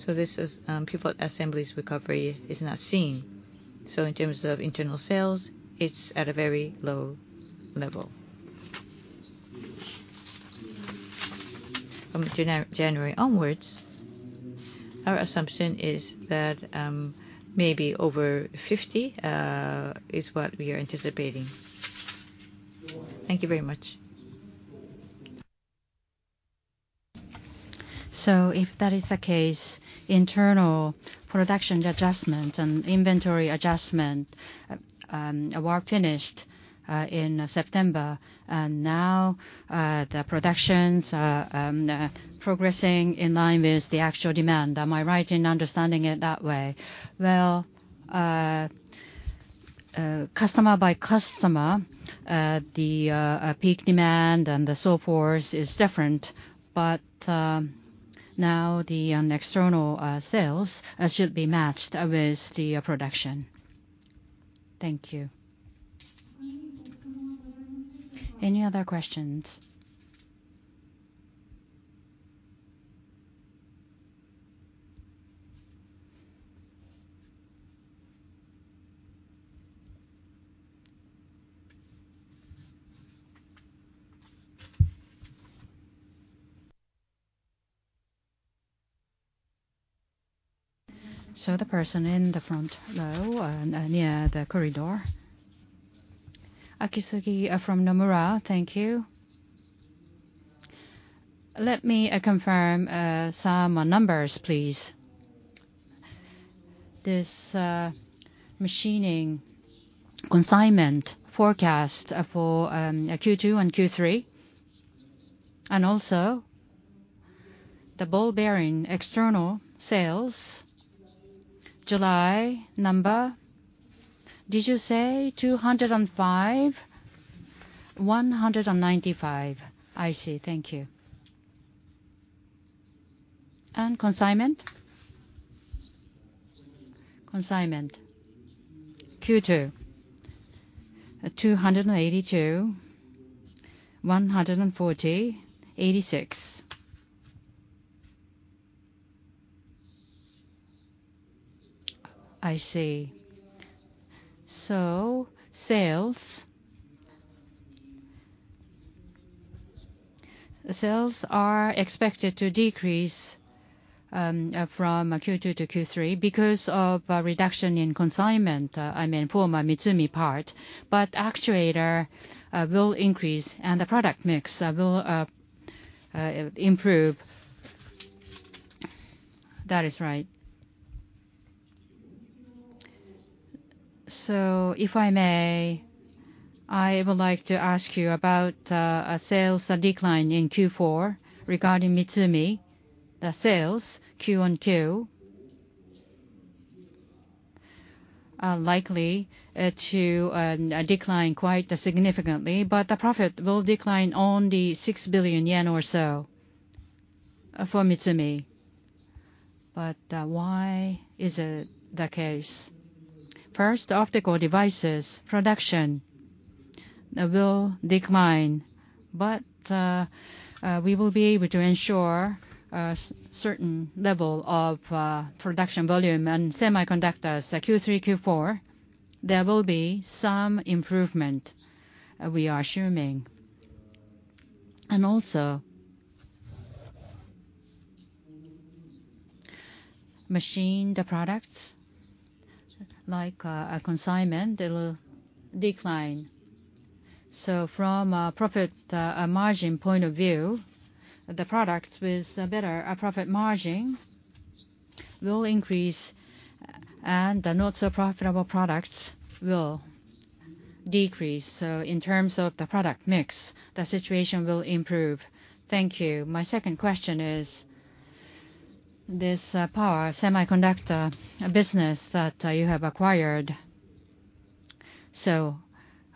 This is, pivot assemblies recovery is not seen. In terms of internal sales, it's at a very low level. From January onwards, our assumption is that maybe over 50 is what we are anticipating. Thank you very much. If that is the case, internal production adjustment and inventory adjustment were finished in September, and now, the productions are progressing in line with the actual demand. Am I right in understanding it that way? Well, customer by customer, the peak demand and the so forth is different, but, now the external sales should be matched with the production. Thank you. Any other questions? So the person in the front row, near the corridor. Akizuki from Nomura. Thank you. Let me confirm some numbers, please. This machining consignment forecast for Q2 and Q3, and also the ball bearing external sales, July number, did you say 205? 195. I see. Thank you. And consignment? Consignment, Q2, 282, 140, 86. I see. So sales... Sales are expected to decrease from Q2 to Q3 because of a reduction in consignment, I mean, for Mitsumi part, but actuator will increase, and the product mix will improve. That is right. So if I may, I would like to ask you about a sales decline in Q4 regarding Mitsumi. The sales Q-on-Q are likely to decline quite significantly, but the profit will decline only 6 billion yen or so for Mitsumi. But why is it the case? First, optical devices production will decline, but we will be able to ensure a certain level of production volume and semiconductors. Q3, Q4, there will be some improvement we are assuming. And also, machined the products, like a consignment, they will decline. So from a profit, a margin point of view, the products with a better, profit margin will increase, and the not so profitable products will decrease. So in terms of the product mix, the situation will improve. Thank you. My second question is this, Power Semiconductor business that you have acquired. So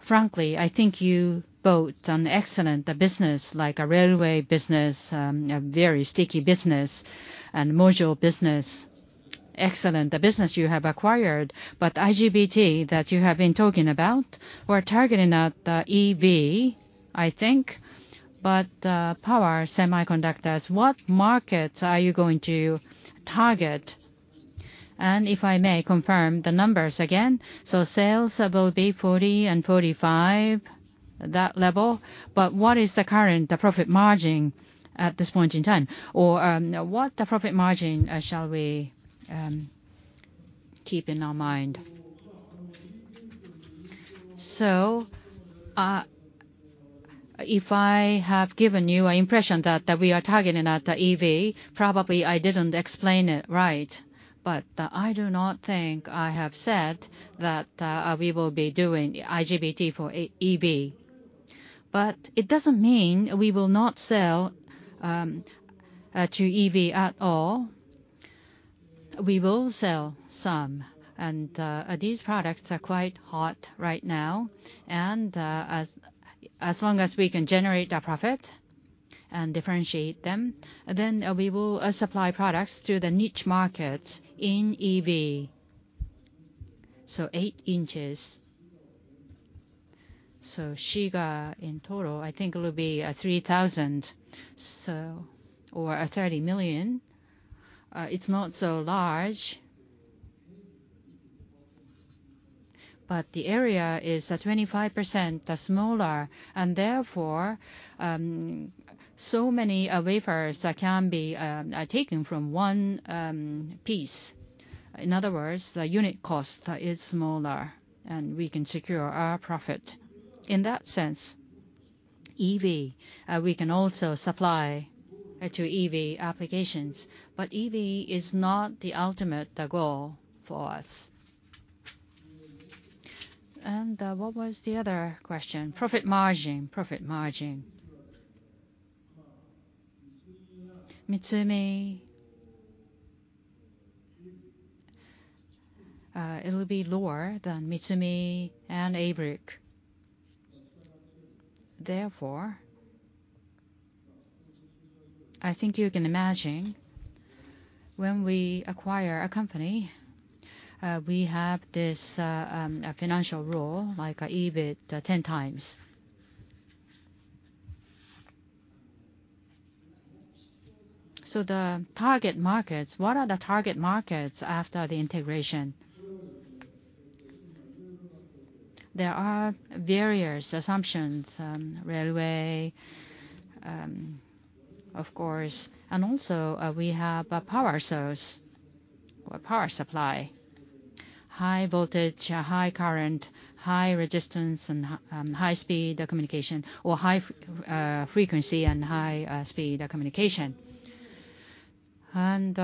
frankly, I think you bought an excellent business, like a railway business, a very sticky business, and module business, excellent the business you have acquired. But IGBT, that you have been talking about, we're targeting at the EV, I think, but, Power Semiconductors, what markets are you going to target? And if I may confirm the numbers again, so sales will be 40-45, that level, but what is the current, the profit margin at this point in time? Or, what the profit margin shall we keep in our mind? So, if I have given you an impression that we are targeting at the EV, probably I didn't explain it right, but I do not think I have said that we will be doing IGBT for EV. But it doesn't mean we will not sell to EV at all. We will sell some, and these products are quite hot right now. And, as long as we can generate a profit and differentiate them, then we will supply products to the niche markets in EV. So 8 inches. So Shiga in total, I think it will be 3,000, so, or 30 million. It's not so large, but the area is 25% smaller and therefore so many wafers can be taken from one piece. In other words, the unit cost is smaller, and we can secure our profit. In that sense, EV we can also supply to EV applications, but EV is not the ultimate goal for us. And what was the other question? Profit margin. Profit margin. Mitsumi, it'll be lower than Mitsumi and ABLIC. Therefore, I think you can imagine when we acquire a company, we have this a financial rule like EBIT 10x. So the target markets, what are the target markets after the integration? There are various assumptions, railway, of course, and also, we have a power source or power supply, high voltage, high current, high resistance and high speed, communication or high frequency and high speed, communication. And,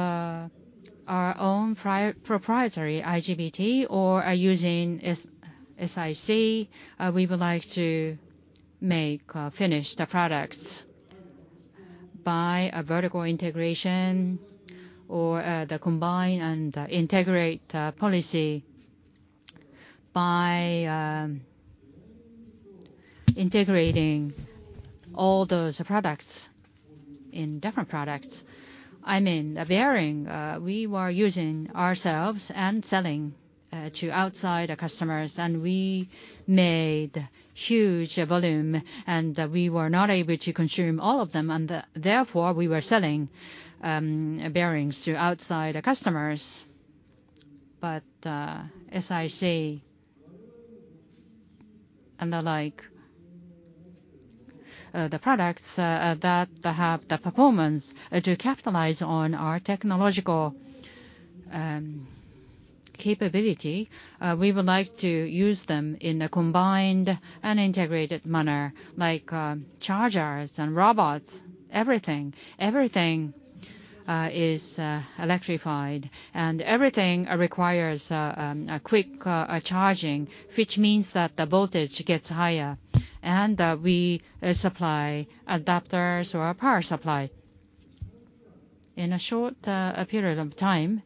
our own proprietary IGBT or are using SiC, we would like to make, finish the products by a vertical integration or, the combine and, integrate, policy by, integrating all those products in different products. I mean, a bearing, we were using ourselves and selling, to outside customers, and we made huge volume, and, we were not able to consume all of them, and, therefore, we were selling, bearings to outside customers. But, as I say, and the like, the products that have the performance to capitalize on our technological capability, we would like to use them in a combined and integrated manner, like, chargers and robots, everything. Everything is electrified, and everything requires a quick charging, which means that the voltage gets higher, and we supply adapters or a power supply. In a short period of time,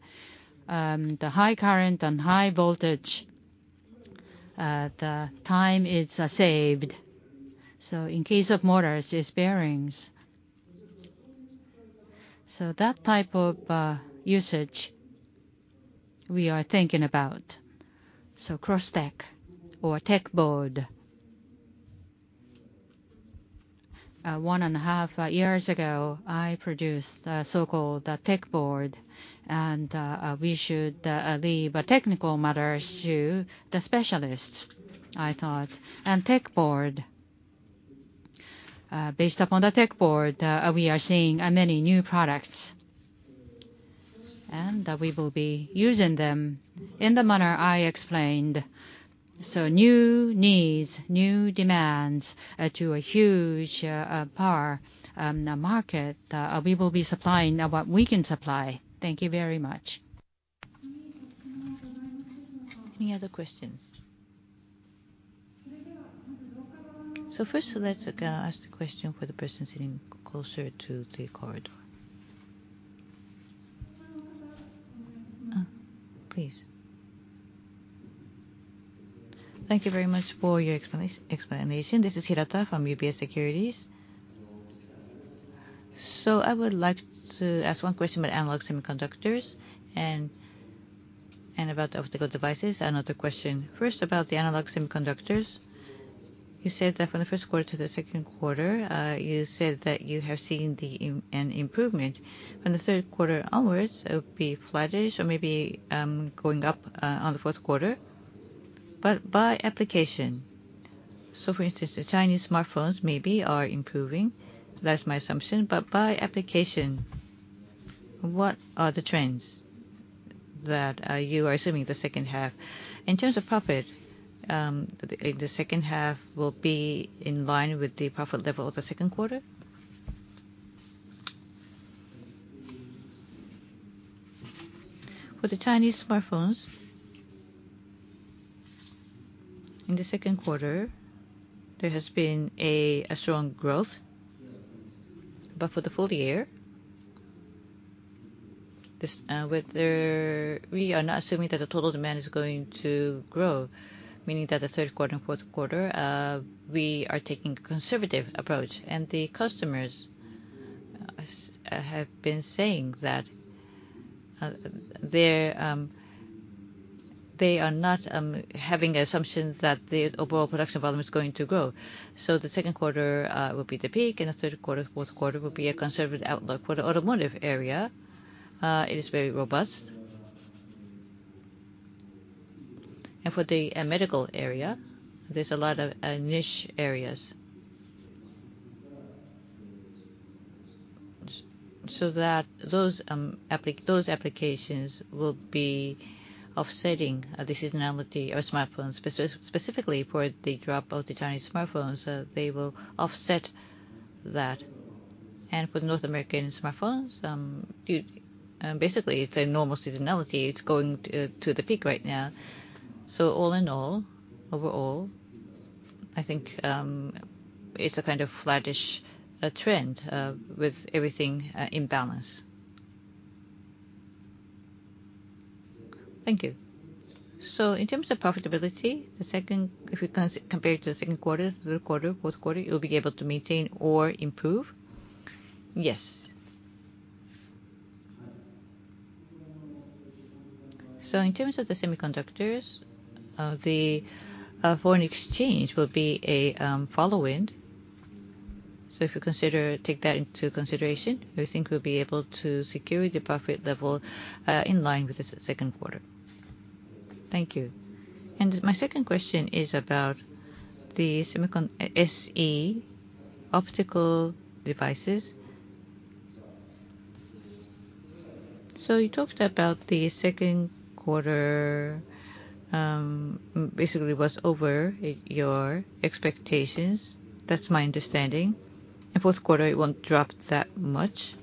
the high current and high voltage, the time is saved. So in case of motors, it's bearings. So that type of usage we are thinking about. So Cross-Tech or Tech Board. 1.5 years ago, I produced a so-called Tech Board, and we should leave technical matters to the specialists, I thought. Tech Board, based upon the Tech Board, we are seeing many new products, and we will be using them in the manner I explained. So new needs, new demands to a huge power market, we will be supplying what we can supply. Thank you very much. Any other questions? So first, let's ask the question for the person sitting closer to the corridor. Please. Thank you very much for your explanation. This is Hirata from UBS Securities. So I would like to ask one question about analog semiconductors and about optical devices, another question. First, about the analog semiconductors, you said that from the first quarter to the second quarter, you said that you have seen an improvement. From the third quarter onwards, it would be flattish or maybe going up on the fourth quarter, but by application. So for instance, the Chinese smartphones maybe are improving. That's my assumption, but by application, what are the trends that you are assuming the second half? In terms of profit, the second half will be in line with the profit level of the second quarter? For the Chinese smartphones-... In the second quarter, there has been a strong growth. But for the full-year, we are not assuming that the total demand is going to grow, meaning that the third quarter and fourth quarter, we are taking a conservative approach. And the customers have been saying that, they're they are not having assumptions that the overall production volume is going to grow. So the second quarter will be the peak, and the third quarter, fourth quarter will be a conservative outlook. For the automotive area, it is very robust. And for the medical area, there's a lot of niche areas. So that those those applications will be offsetting the seasonality of smartphones. Specifically for the drop of the Chinese smartphones, they will offset that. For North American smartphones, basically, it's a normal seasonality. It's going to the peak right now. So all in all, overall, I think, it's a kind of flattish trend with everything in balance. Thank you. So in terms of profitability, the second quarter. If you compare it to the second quarter, third quarter, fourth quarter, you'll be able to maintain or improve? Yes. So in terms of the semiconductors, the foreign exchange will be a tailwind. So if you consider, take that into consideration, we think we'll be able to secure the profit level in line with the second quarter. Thank you. And my second question is about the SE optical devices. So you talked about the second quarter basically was over your expectations. That's my understanding. In fourth quarter, it won't drop that much.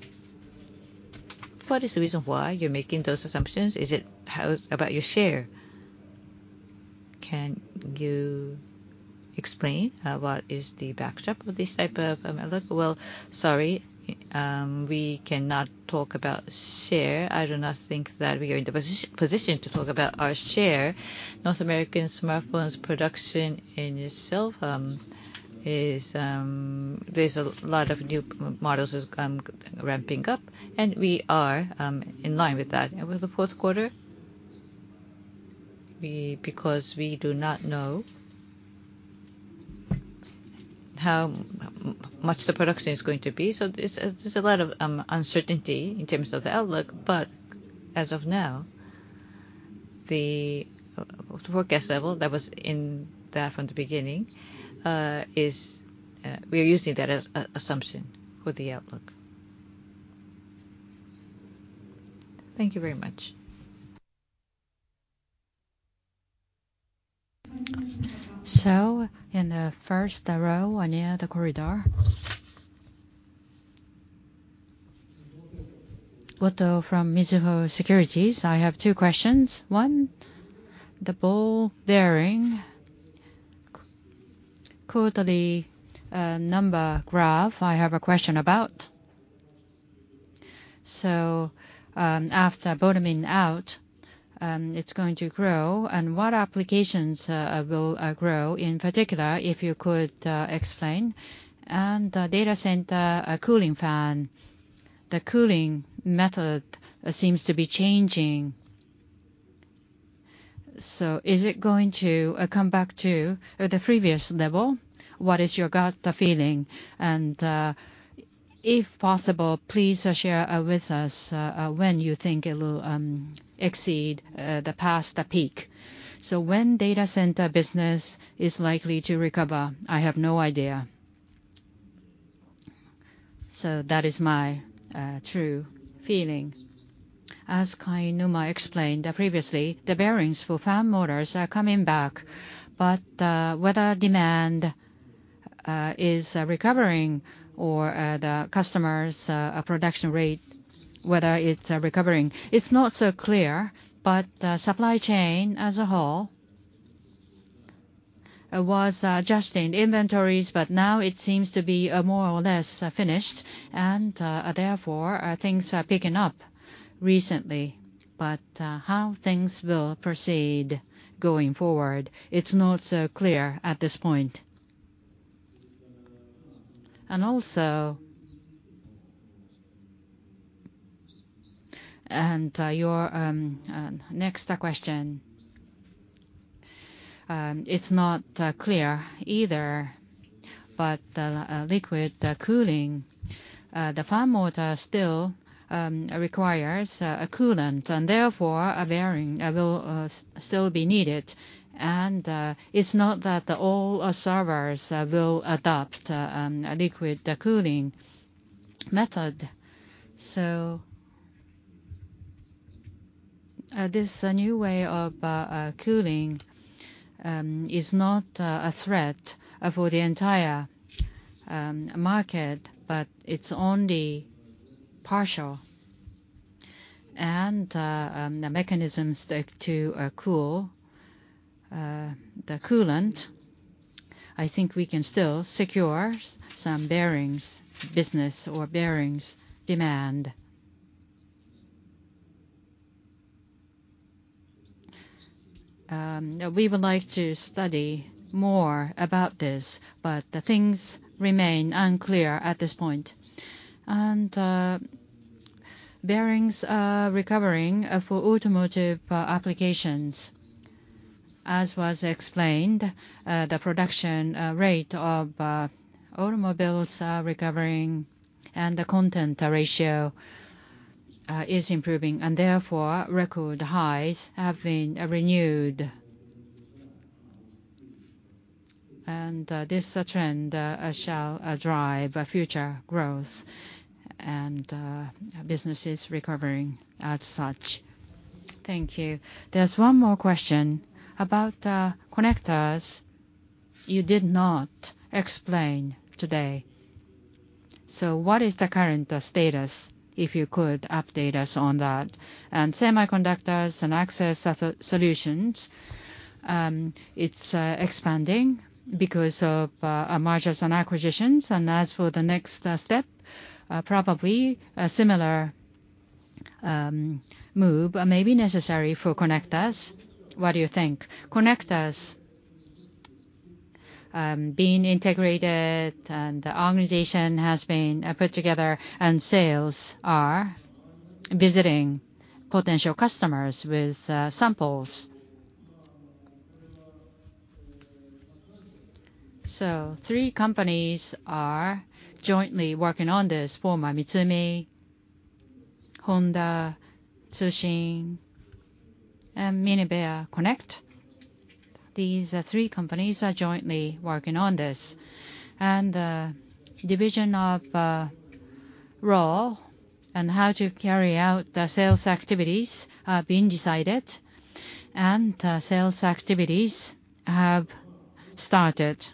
What is the reason why you're making those assumptions? Is it, how about your share? Can you explain what is the backdrop of this type of outlook? Well, sorry, we cannot talk about share. I do not think that we are in the position to talk about our share. North American smartphones production in itself is. There's a lot of new models is ramping up, and we are in line with that. And with the fourth quarter, because we do not know how much the production is going to be, so it's, there's a lot of uncertainty in terms of the outlook. As of now, the forecast level that was in there from the beginning is. We are using that as a assumption for the outlook. Thank you very much. So in the first row, near the corridor. Goto from Mizuho Securities. I have two questions. One, the ball bearing quarterly number graph, I have a question about. So, after bottoming out, it's going to grow, and what applications will grow, in particular, if you could explain? And the data center cooling fan, the cooling method seems to be changing, so is it going to come back to the previous level? What is your gut feeling? And, if possible, please share with us when you think it will exceed the past, the peak. So when data center business is likely to recover, I have no idea. So that is my true feeling. As Kainuma explained, previously, the bearings for fan motors are coming back. But whether demand is recovering or the customers' production rate, whether it's recovering, it's not so clear. But the supply chain, as a whole, was adjusting the inventories, but now it seems to be more or less finished. And therefore, things are picking up recently. But how things will proceed going forward, it's not so clear at this point. And also... And your next question, it's not clear either, but the liquid cooling, the fan motor still requires a coolant, and therefore, a bearing will still be needed. And it's not that all our servers will adopt a liquid cooling method. So, this new way of cooling is not a threat for the entire market, but it's only partial. And the mechanisms take to cool the coolant, I think we can still secure some bearings business or bearings demand. We would like to study more about this, but the things remain unclear at this point. Bearings are recovering for automotive applications. As was explained, the production rate of automobiles are recovering and the content ratio is improving, and therefore, record highs have been renewed. This trend shall drive future growth and businesses recovering as such. Thank you. There's one more question. About connectors, you did not explain today. So what is the current status, if you could update us on that? And semiconductors and Access Solutions, it's expanding because of our mergers and acquisitions. As for the next step, probably a similar move may be necessary for connectors. What do you think? Connectors being integrated and the organization has been put together, and sales are visiting potential customers with samples. So three companies are jointly working on this, former Mitsumi, Honda Tsushin, and Minebea Connect. These three companies are jointly working on this. And the division of role and how to carry out the sales activities are being decided, and the sales activities have started.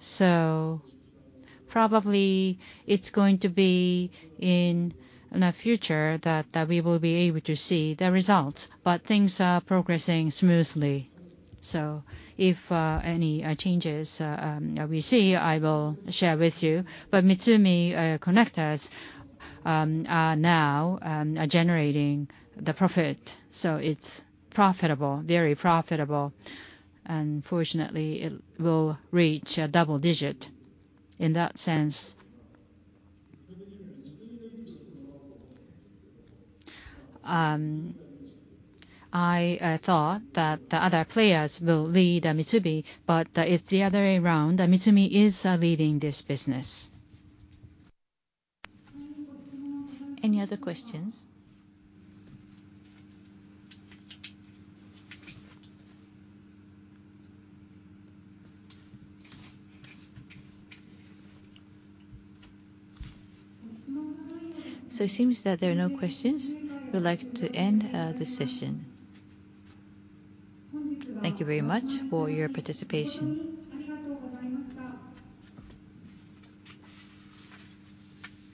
So probably it's going to be in the future that we will be able to see the results, but things are progressing smoothly. So if any changes we see, I will share with you. But Mitsumi connectors are now generating the profit, so it's profitable, very profitable, and fortunately, it will reach a double digit in that sense. I thought that the other players will lead Mitsumi, but that is the other way around, that Mitsumi is leading this business. Any other questions? So it seems that there are no questions. We'd like to end this session. Thank you very much for your participation.